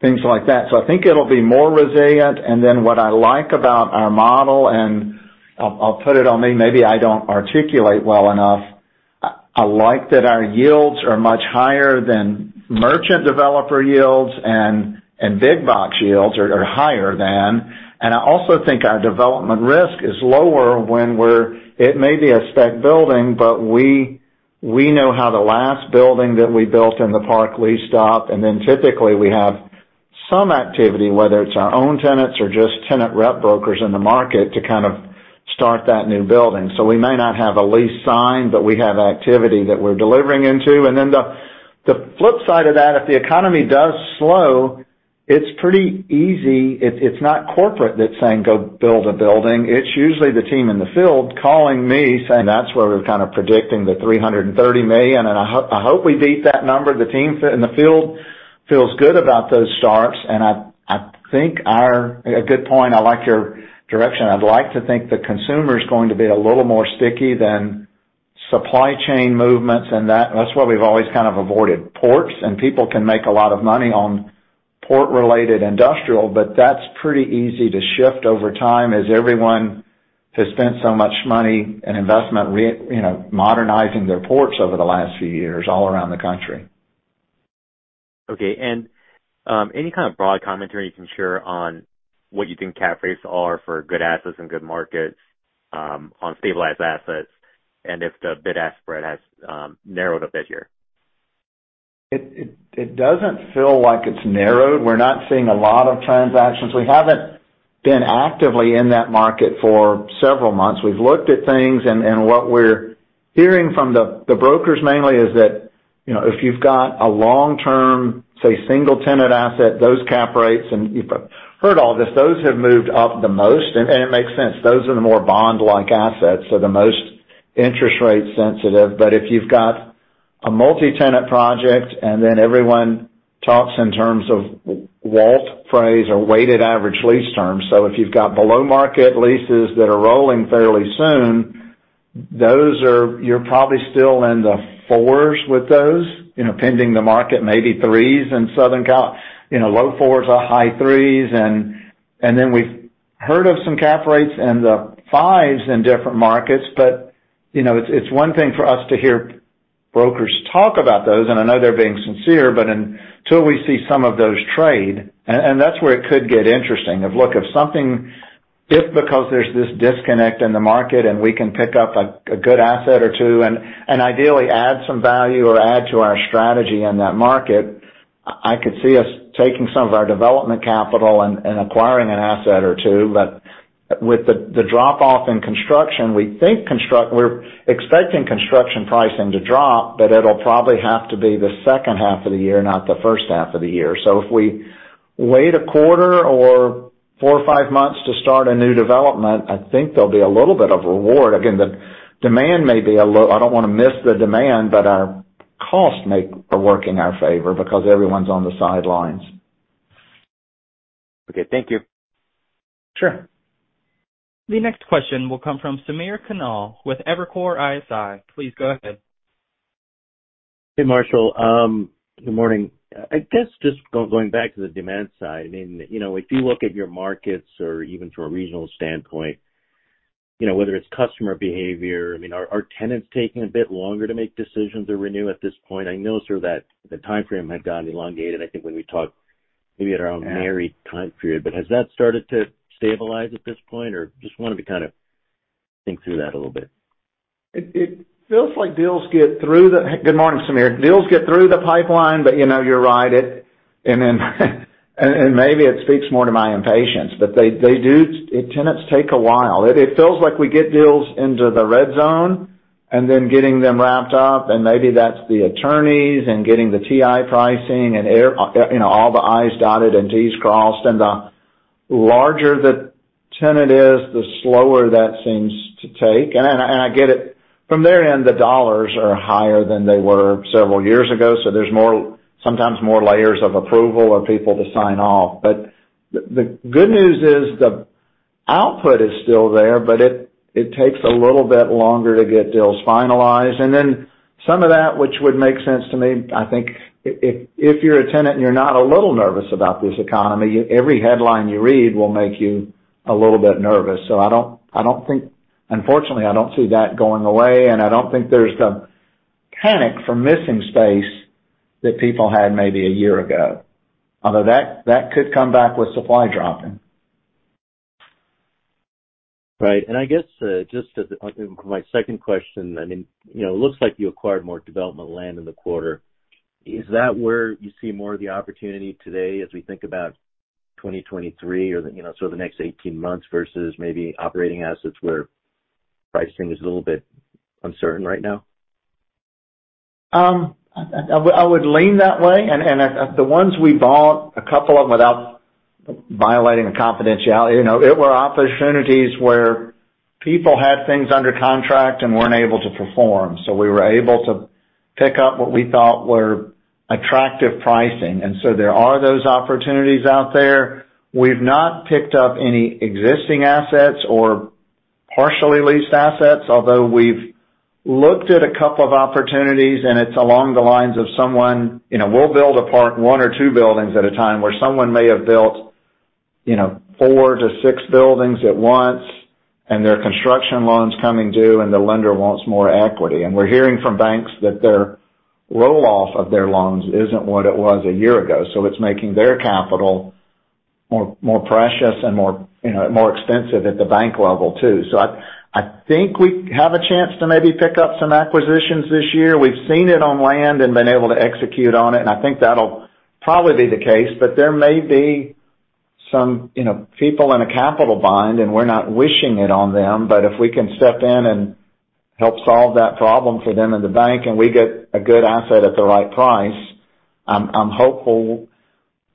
things like that. I think it'll be more resilient. What I like about our model, and I'll put it on me, maybe I don't articulate well enough, I like that our yields are much higher than merchant developer yields. Big box yields are higher than. I also think our development risk is lower when we're. It may be a spec building, but we know how the last building that we built in the park leased up. Typically we have some activity, whether it's our own tenants or just tenant rep brokers in the market, to kind of start that new building. We may not have a lease signed, but we have activity that we're delivering into. The flip side of that, if the economy does slow, it's pretty easy. It's not corporate that's saying, "Go build a building." It's usually the team in the field calling me saying. That's where we're kind of predicting the $330 million, and I hope we beat that number. The team in the field feels good about those starts, and I think our. A good point. I like your direction. I'd like to think the consumer is going to be a little more sticky than supply chain movements and that. That's why we've always kind of avoided ports. People can make a lot of money on port-related industrial, but that's pretty easy to shift over time as everyone has spent so much money and investment you know, modernizing their ports over the last few years all around the country. Okay. Any kind of broad commentary you can share on what you think cap rates are for good assets and good markets, on stabilized assets, and if the bid-ask spread has narrowed a bit here? It doesn't feel like it's narrowed. We're not seeing a lot of transactions. We haven't been actively in that market for several months. We've looked at things, and what we're hearing from the brokers mainly is that, you know, if you've got a long-term, say, single-tenant asset, those cap rates, and you've heard all this, those have moved up the most. It makes sense. Those are the more bond-like assets, so the most interest rate sensitive. If you've got a multi-tenant project, and then everyone talks in terms of WALT phrase or weighted average lease terms. If you've got below-market leases that are rolling fairly soon, those are. You're probably still in the 4s with those, you know, pending the market, maybe 3s in Southern Cal, you know, low 4s or high 3s. Then we've heard of some cap rates in the fives in different markets. You know, it's one thing for us to hear brokers talk about those, and I know they're being sincere. Until we see some of those trade. That's where it could get interesting. If because there's this disconnect in the market and we can pick up a good asset or two and ideally add some value or add to our strategy in that market, I could see us taking some of our development capital and acquiring an asset or two. With the drop-off in construction, we're expecting construction pricing to drop, but it'll probably have to be the second half of the year, not the first half of the year. If we wait a quarter or four or five months to start a new development, I think there'll be a little bit of reward. Again, the demand may be a little. I don't want to miss the demand, but our costs may are working our favor because everyone's on the sidelines. Okay. Thank you. Sure. The next question will come from Samir Khanal with Evercore ISI. Please go ahead. Hey, Marshall. Good morning. I guess just going back to the demand side. I mean, you know, if you look at your markets or even from a regional standpoint, you know, whether it's customer behavior, I mean, are tenants taking a bit longer to make decisions or renew at this point? I know sort of that the timeframe had gotten elongated, I think, when we talked maybe at our Nareit time period. Has that started to stabilize at this point, or just wanted to kind of think through that a little bit? It feels like deals get through the. Good morning, Samir. Deals get through the pipeline. You know, you're right. Maybe it speaks more to my impatience. Tenants take a while. It feels like we get deals into the red zone and then getting them wrapped up, and maybe that's the attorneys and getting the TI pricing and air, you know, all the Is dotted and Ts crossed. The larger the tenant is, the slower that seems to take. I get it. From their end, the dollars are higher than they were several years ago. There's more, sometimes more layers of approval or people to sign off. The good news is the output is still there. It takes a little bit longer to get deals finalized. Some of that which would make sense to me, I think if you're a tenant and you're not a little nervous about this economy, every headline you read will make you a little bit nervous. I don't think. Unfortunately, I don't see that going away, and I don't think there's the panic for missing space that people had maybe a year ago. That could come back with supply dropping. Right. I guess, just as, my second question, I mean, you know, it looks like you acquired more development land in the quarter. Is that where you see more of the opportunity today as we think about 2023 or, you know, sort of the next 18 months versus maybe operating assets where pricing is a little bit uncertain right now? I would lean that way. The ones we bought, a couple of them, without violating a confidentiality, you know, it were opportunities where people had things under contract and weren't able to perform. We were able to pick up what we thought were attractive pricing. There are those opportunities out there. We've not picked up any existing assets or partially leased assets, although we've looked at a couple of opportunities, and it's along the lines of someone. You know, we'll build a park, one or two buildings at a time, where someone may have built. You know, four to six buildings at once, and their construction loans coming due, and the lender wants more equity. We're hearing from banks that their roll-off of their loans isn't what it was a year ago. It's making their capital more, more precious and more, you know, more expensive at the bank level too. I think we have a chance to maybe pick up some acquisitions this year. We've seen it on land and been able to execute on it, and I think that'll probably be the case. There may be some, you know, people in a capital bind. We're not wishing it on them, but if we can step in and help solve that problem for them and the bank, and we get a good asset at the right price, I'm hopeful.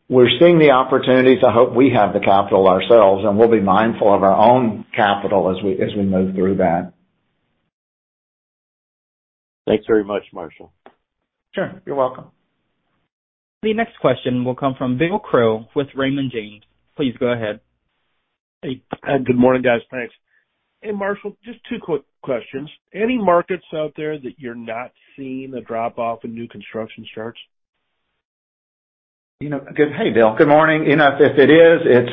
We're seeing the opportunities. I hope we have the capital ourselves. We'll be mindful of our own capital as we move through that. Thanks very much, Marshall. Sure. You're welcome. The next question will come from Bill Crow with Raymond James. Please go ahead. Hey. Good morning, guys. Thanks. Hey, Marshall, just two quick questions. Any markets out there that you're not seeing a drop-off in new construction starts? You know, hey, Bill. Good morning. You know, if it is,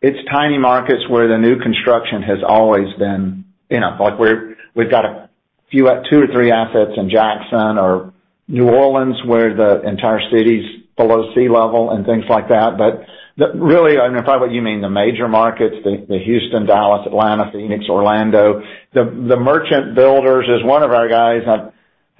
it's tiny markets where the new construction has always been, you know, like we've got a few, two or three assets in Jackson or New Orleans, where the entire city's below sea level and things like that. Really, I mean, probably you mean the major markets, the Houston, Dallas, Atlanta, Phoenix, Orlando. The merchant builders is one of our guys.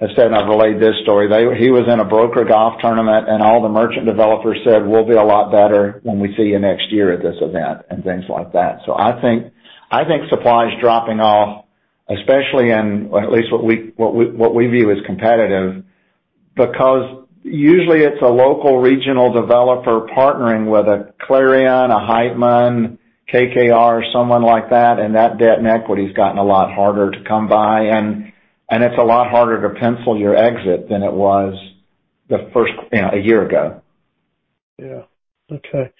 I said, and I've relayed this story. He was in a broker golf tournament, and all the merchant developers said, "We'll be a lot better when we see you next year at this event," and things like that. I think supply is dropping off, especially in at least what we view as competitive, because usually it's a local regional developer partnering with a Clarion, a Heitman, KKR or someone like that, and that debt and equity's gotten a lot harder to come by. It's a lot harder to pencil your exit than it was the first. You know, a year ago. Okay.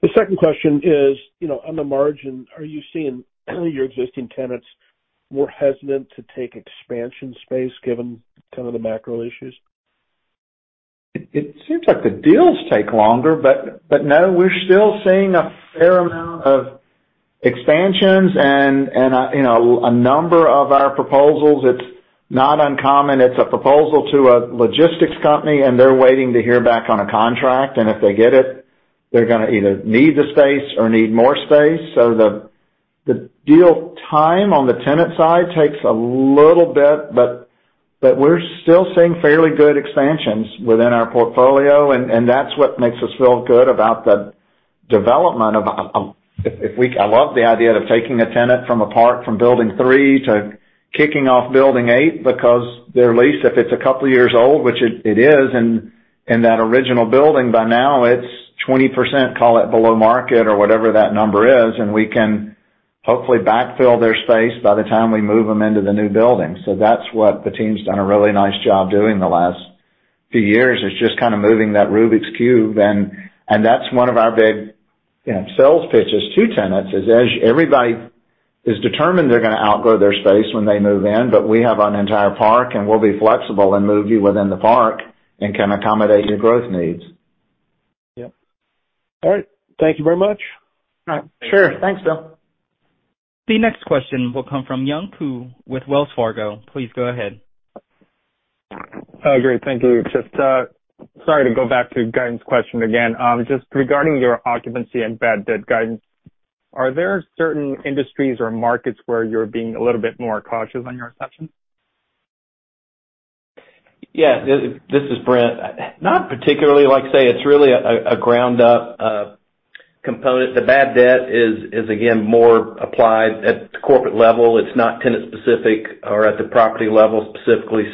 The second question is, you know, on the margin, are you seeing your existing tenants more hesitant to take expansion space given some of the macro issues? It seems like the deals take longer. No, we're still seeing a fair amount of expansions and, you know, a number of our proposals, it's not uncommon. It's a proposal to a logistics company, and they're waiting to hear back on a contract, and if they get it, they're going to either need the space or need more space. The deal time on the tenant side takes a little bit, but we're still seeing fairly good expansions within our portfolio, and that's what makes us feel good about the development of... If we love the idea of taking a tenant from a park, from building three to kicking off building eight because their lease, if it's a couple of years old, which it is in that original building, by now it's 20%, call it, below market or whatever that number is, and we can hopefully backfill their space by the time we move them into the new building. That's what the team's done a really nice job doing the last few years, is just kind of moving that Rubik's Cube. That's one of our big, you know, sales pitches to tenants, is as everybody is determined they're going to outgrow their space when they move in, but we have an entire park, and we'll be flexible and move you within the park and can accommodate your growth needs. Yep. All right. Thank you very much. All right. Sure. Thanks, Bill. The next question will come from Young Ku with Wells Fargo. Please go ahead. Great. Thank you. Just, sorry to go back to guidance question again. Just regarding your occupancy and bad debt guidance, are there certain industries or markets where you're being a little bit more cautious on your assumptions? Yeah. This is Brent. Not particularly. Like I say, it's really a ground up component. The bad debt is again more applied at the corporate level. It's not tenant specific or at the property level specifically.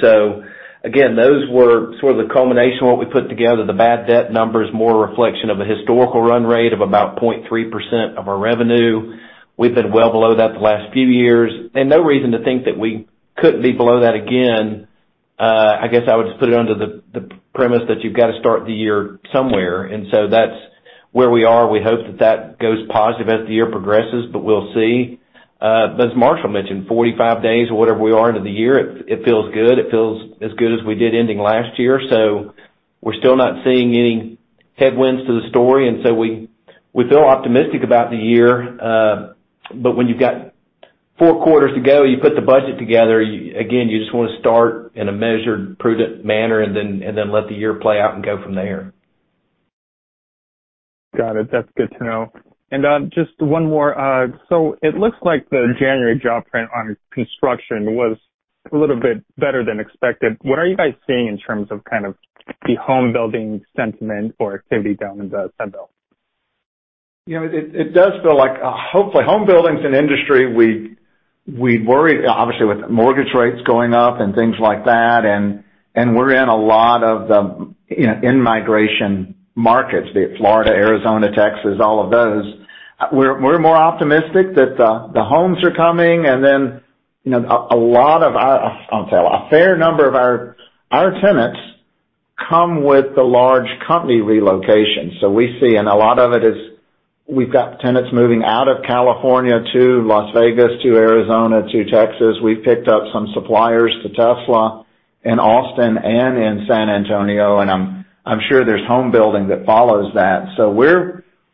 Again, those were sort of the culmination of what we put together. The bad debt number is more a reflection of a historical run rate of about 0.3% of our revenue. We've been well below that the last few years and no reason to think that we couldn't be below that again. I guess I would just put it under the premise that you've got to start the year somewhere, that's where we are. We hope that that goes positive as the year progresses, we'll see. As Marshall mentioned, 45 days or whatever we are into the year, it feels good. It feels as good as we did ending last year. We're still not seeing any headwinds to the story, and so we feel optimistic about the year. When you've got four quarters to go, you put the budget together, again, you just want to start in a measured, prudent manner and then let the year play out and go from there. Got it. That's good to know. Just one more. It looks like the January job print on construction was a little bit better than expected. What are you guys seeing in terms of kind of the home building sentiment or activity down in the Sun Belt? You know, it does feel like hopefully. Home building's an industry we worry, obviously, with mortgage rates going up and things like that. We're in a lot of the, you know, in-migration markets, be it Florida, Arizona, Texas, all of those. We're more optimistic that the homes are coming. You know, a lot of our tenants come with the large company relocation. We see, and a lot of it is we've got tenants moving out of California to Las Vegas, to Arizona, to Texas. We've picked up some suppliers to Tesla in Austin and in San Antonio, and I'm sure there's home building that follows that.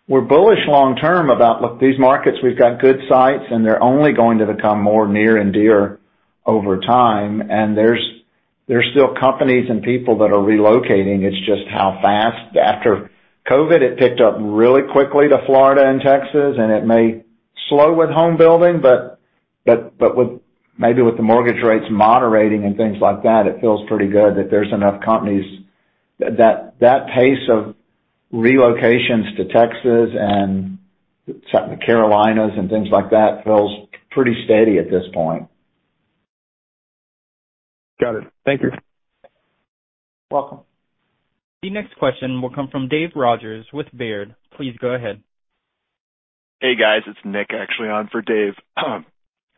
We're bullish long term about look these markets, we've got good sites, and they're only going to become more near and dear over time. There's still companies and people that are relocating. It's just how fast. After COVID, it picked up really quickly to Florida and Texas, and it may slow with home building, but with, maybe with the mortgage rates moderating and things like that, it feels pretty good that there's enough companies. That pace of relocations to Texas and the Carolinas and things like that feels pretty steady at this point. Got it. Thank you. Welcome. The next question will come from Dave Rogers with Baird. Please go ahead. Hey, guys, it's Nick actually on for Dave.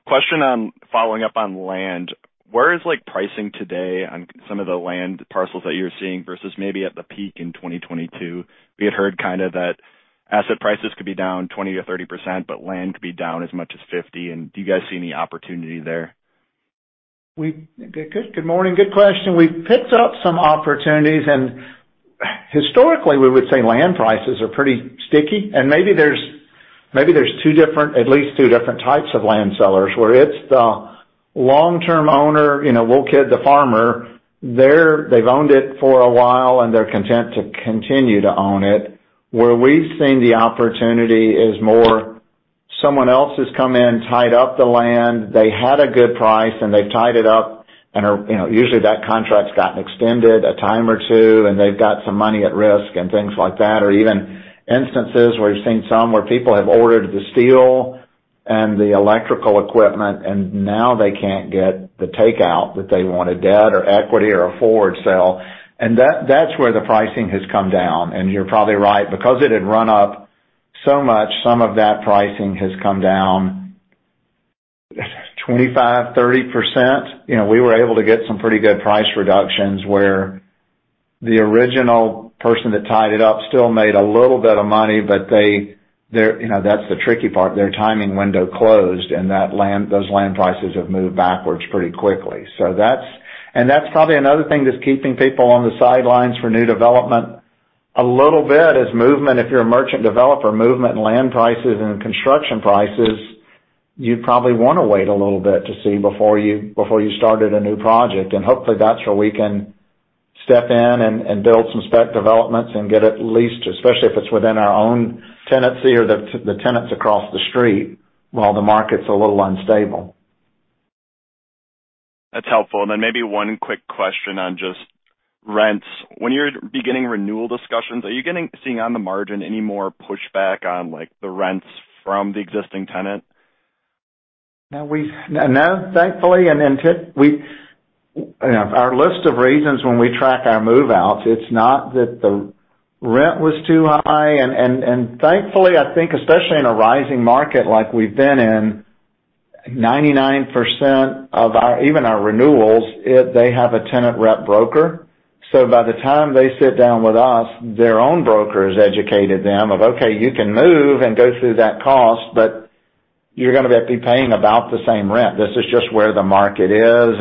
Question on following up on land. Where is like pricing today on some of the land parcels that you're seeing versus maybe at the peak in 2022? We had heard kind of that asset prices could be down 20%-30%, but land could be down as much as 50%. Do you guys see any opportunity there? Good morning. Good question. We've picked up some opportunities, and historically, we would say land prices are pretty sticky. Maybe there's two different, at least two different types of land sellers, where it's the long-term owner, you know, we'll kid the farmer. They've owned it for a while, and they're content to continue to own it. Where we've seen the opportunity is more someone else has come in, tied up the land, they had a good price, and they've tied it up and are. You know, usually that contract's gotten extended a time or two, and they've got some money at risk and things like that, or even instances where you've seen some, where people have ordered the steel and the electrical equipment, and now they can't get the takeout that they wanted, debt or equity or a forward sale. That's where the pricing has come down. You're probably right, because it had run up so much, some of that pricing has come down 25%-30%. You know, we were able to get some pretty good price reductions where the original person that tied it up still made a little bit of money, but they, you know, that's the tricky part. Their timing window closed, and those land prices have moved backwards pretty quickly. That's. That's probably another thing that's keeping people on the sidelines for new development. A little bit is movement. If you're a merchant developer, movement in land prices and construction prices, you'd probably want to wait a little bit to see before you, before you started a new project. Hopefully that's where we can step in and build some spec developments and get it leased, especially if it's within our own tenancy or the tenants across the street, while the market's a little unstable. That's helpful. Then maybe one quick question on just rents. When you're beginning renewal discussions, are you seeing on the margin any more pushback on, like, the rents from the existing tenant? No, thankfully. You know, our list of reasons when we track our move-outs, it's not that the rent was too high. Thankfully, I think especially in a rising market like we've been in, 99% of our, even our renewals, they have a tenant rep broker. By the time they sit down with us, their own broker has educated them of, "Okay, you can move and go through that cost, but you're going to be paying about the same rent. This is just where the market is."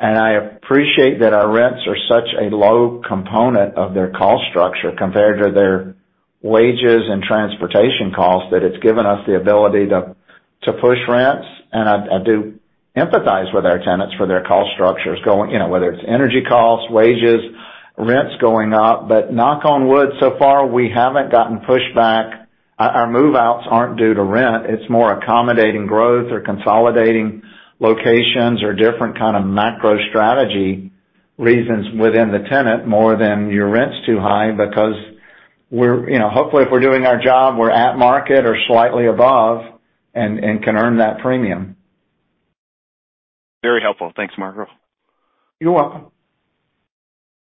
I appreciate that our rents are such a low component of their cost structure compared to their wages and transportation costs, that it's given us the ability to push rents. I do empathize with our tenants for their cost structures going, you know, whether it's energy costs, wages, rents going up. Knock on wood, so far we haven't gotten pushback. Our move-outs aren't due to rent, it's more accommodating growth or consolidating locations or different kind of macro strategy reasons within the tenant more than your rent's too high because we're, you know. Hopefully, if we're doing our job, we're at market or slightly above and can earn that premium. Very helpful. Thanks, Marshall. You're welcome.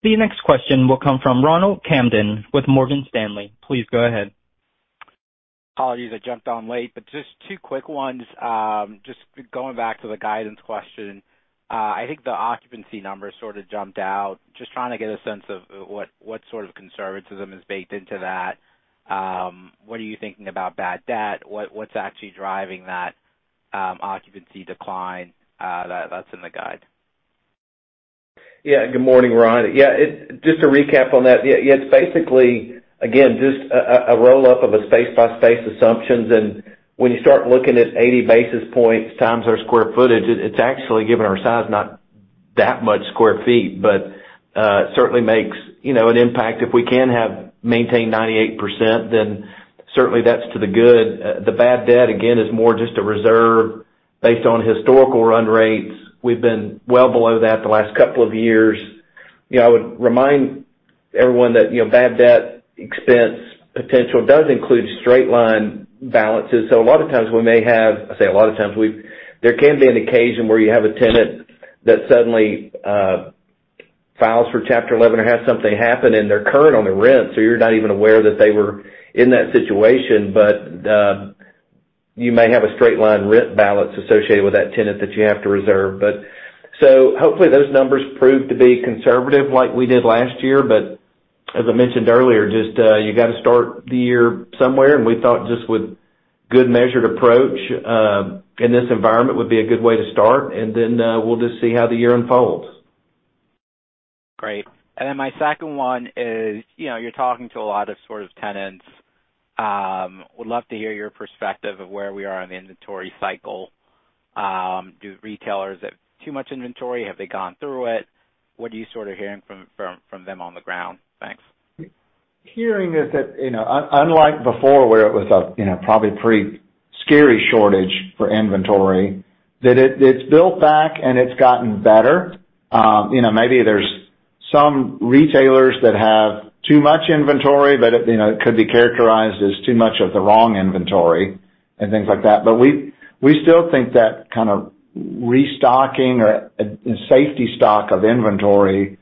The next question will come from Ronald Kamdem with Morgan Stanley. Please go ahead. Apologies, I jumped on late, but just two quick ones. Just going back to the guidance question. I think the occupancy numbers sort of jumped out. Just trying to get a sense of what sort of conservatism is baked into that. What are you thinking about bad debt? What, what's actually driving that occupancy decline, that's in the guide? Good morning, Ron. Just to recap on that. it's basically, again, just a roll-up of space-by-space assumptions. When you start looking at 80 basis points times our square footage, it's actually given our size, not that much square feet, but certainly makes, you know, an impact. If we can maintain 98%, then certainly that's to the good. The bad debt again is more just a reserve based on historical run rates. We've been well below that the last couple of years. I would remind everyone that, you know, bad debt expense potential does include straight line balances. A lot of times we may have... I say a lot of times, There can be an occasion where you have a tenant that suddenly files for Chapter 11 or has something happen, and they're current on the rent, so you're not even aware that they were in that situation. You may have a straight line rent balance associated with that tenant that you have to reserve. Hopefully, those numbers prove to be conservative like we did last year. As I mentioned earlier, just you gotta start the year somewhere, and we thought just Good measured approach in this environment would be a good way to start, then we'll just see how the year unfolds. Great. My second one is, you know, you're talking to a lot of sort of tenants. Would love to hear your perspective of where we are on the inventory cycle. Do retailers have too much inventory? Have they gone through it? What are you sort of hearing from them on the ground? Thanks. Hearing is that, you know, unlike before where it was a, you know, probably pretty scary shortage for inventory, that it's built back and it's gotten better. You know, maybe there's some retailers that have too much inventory, but it, you know, could be characterized as too much of the wrong inventory and things like that. We, we still think that kind of restocking or a safety stock of inventory,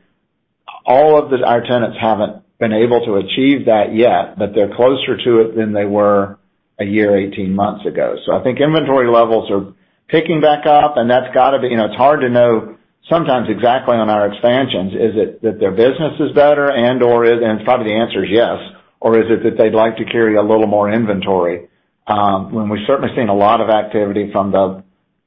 our tenants haven't been able to achieve that yet, but they're closer to it than they were a year, 18 months ago. I think inventory levels are ticking back up, and that's gotta be... You know, it's hard to know sometimes exactly on our expansions, is it that their business is better and/or is... Probably the answer is yes, or is it that they'd like to carry a little more inventory? When we've certainly seen a lot of activity from the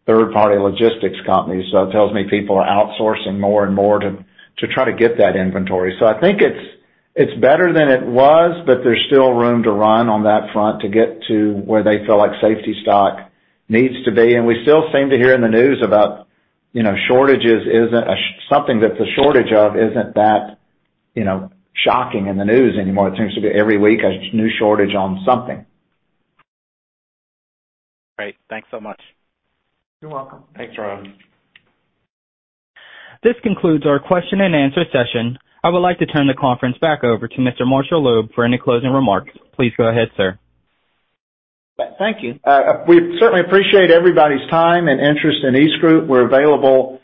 third-party logistics companies. It tells me people are outsourcing more and more to try to get that inventory. I think it's better than it was, but there's still room to run on that front to get to where they feel like safety stock needs to be. We still seem to hear in the news about, you know, shortages isn't something that's a shortage of isn't that, you know, shocking in the news anymore. It seems to be every week a new shortage on something. Great. Thanks so much. You're welcome. Thanks, Ron. This concludes our question and answer session. I would like to turn the conference back over to Mr. Marshall Loeb for any closing remarks. Please go ahead, sir. Thank you. We certainly appreciate everybody's time and interest in EastGroup. We're available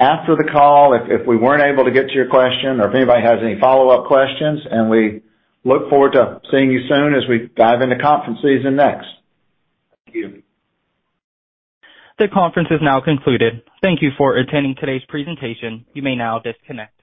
after the call if we weren't able to get to your question or if anybody has any follow-up questions, we look forward to seeing you soon as we dive into conference season next. Thank you. The conference is now concluded. Thank you for attending today's presentation. You may now disconnect.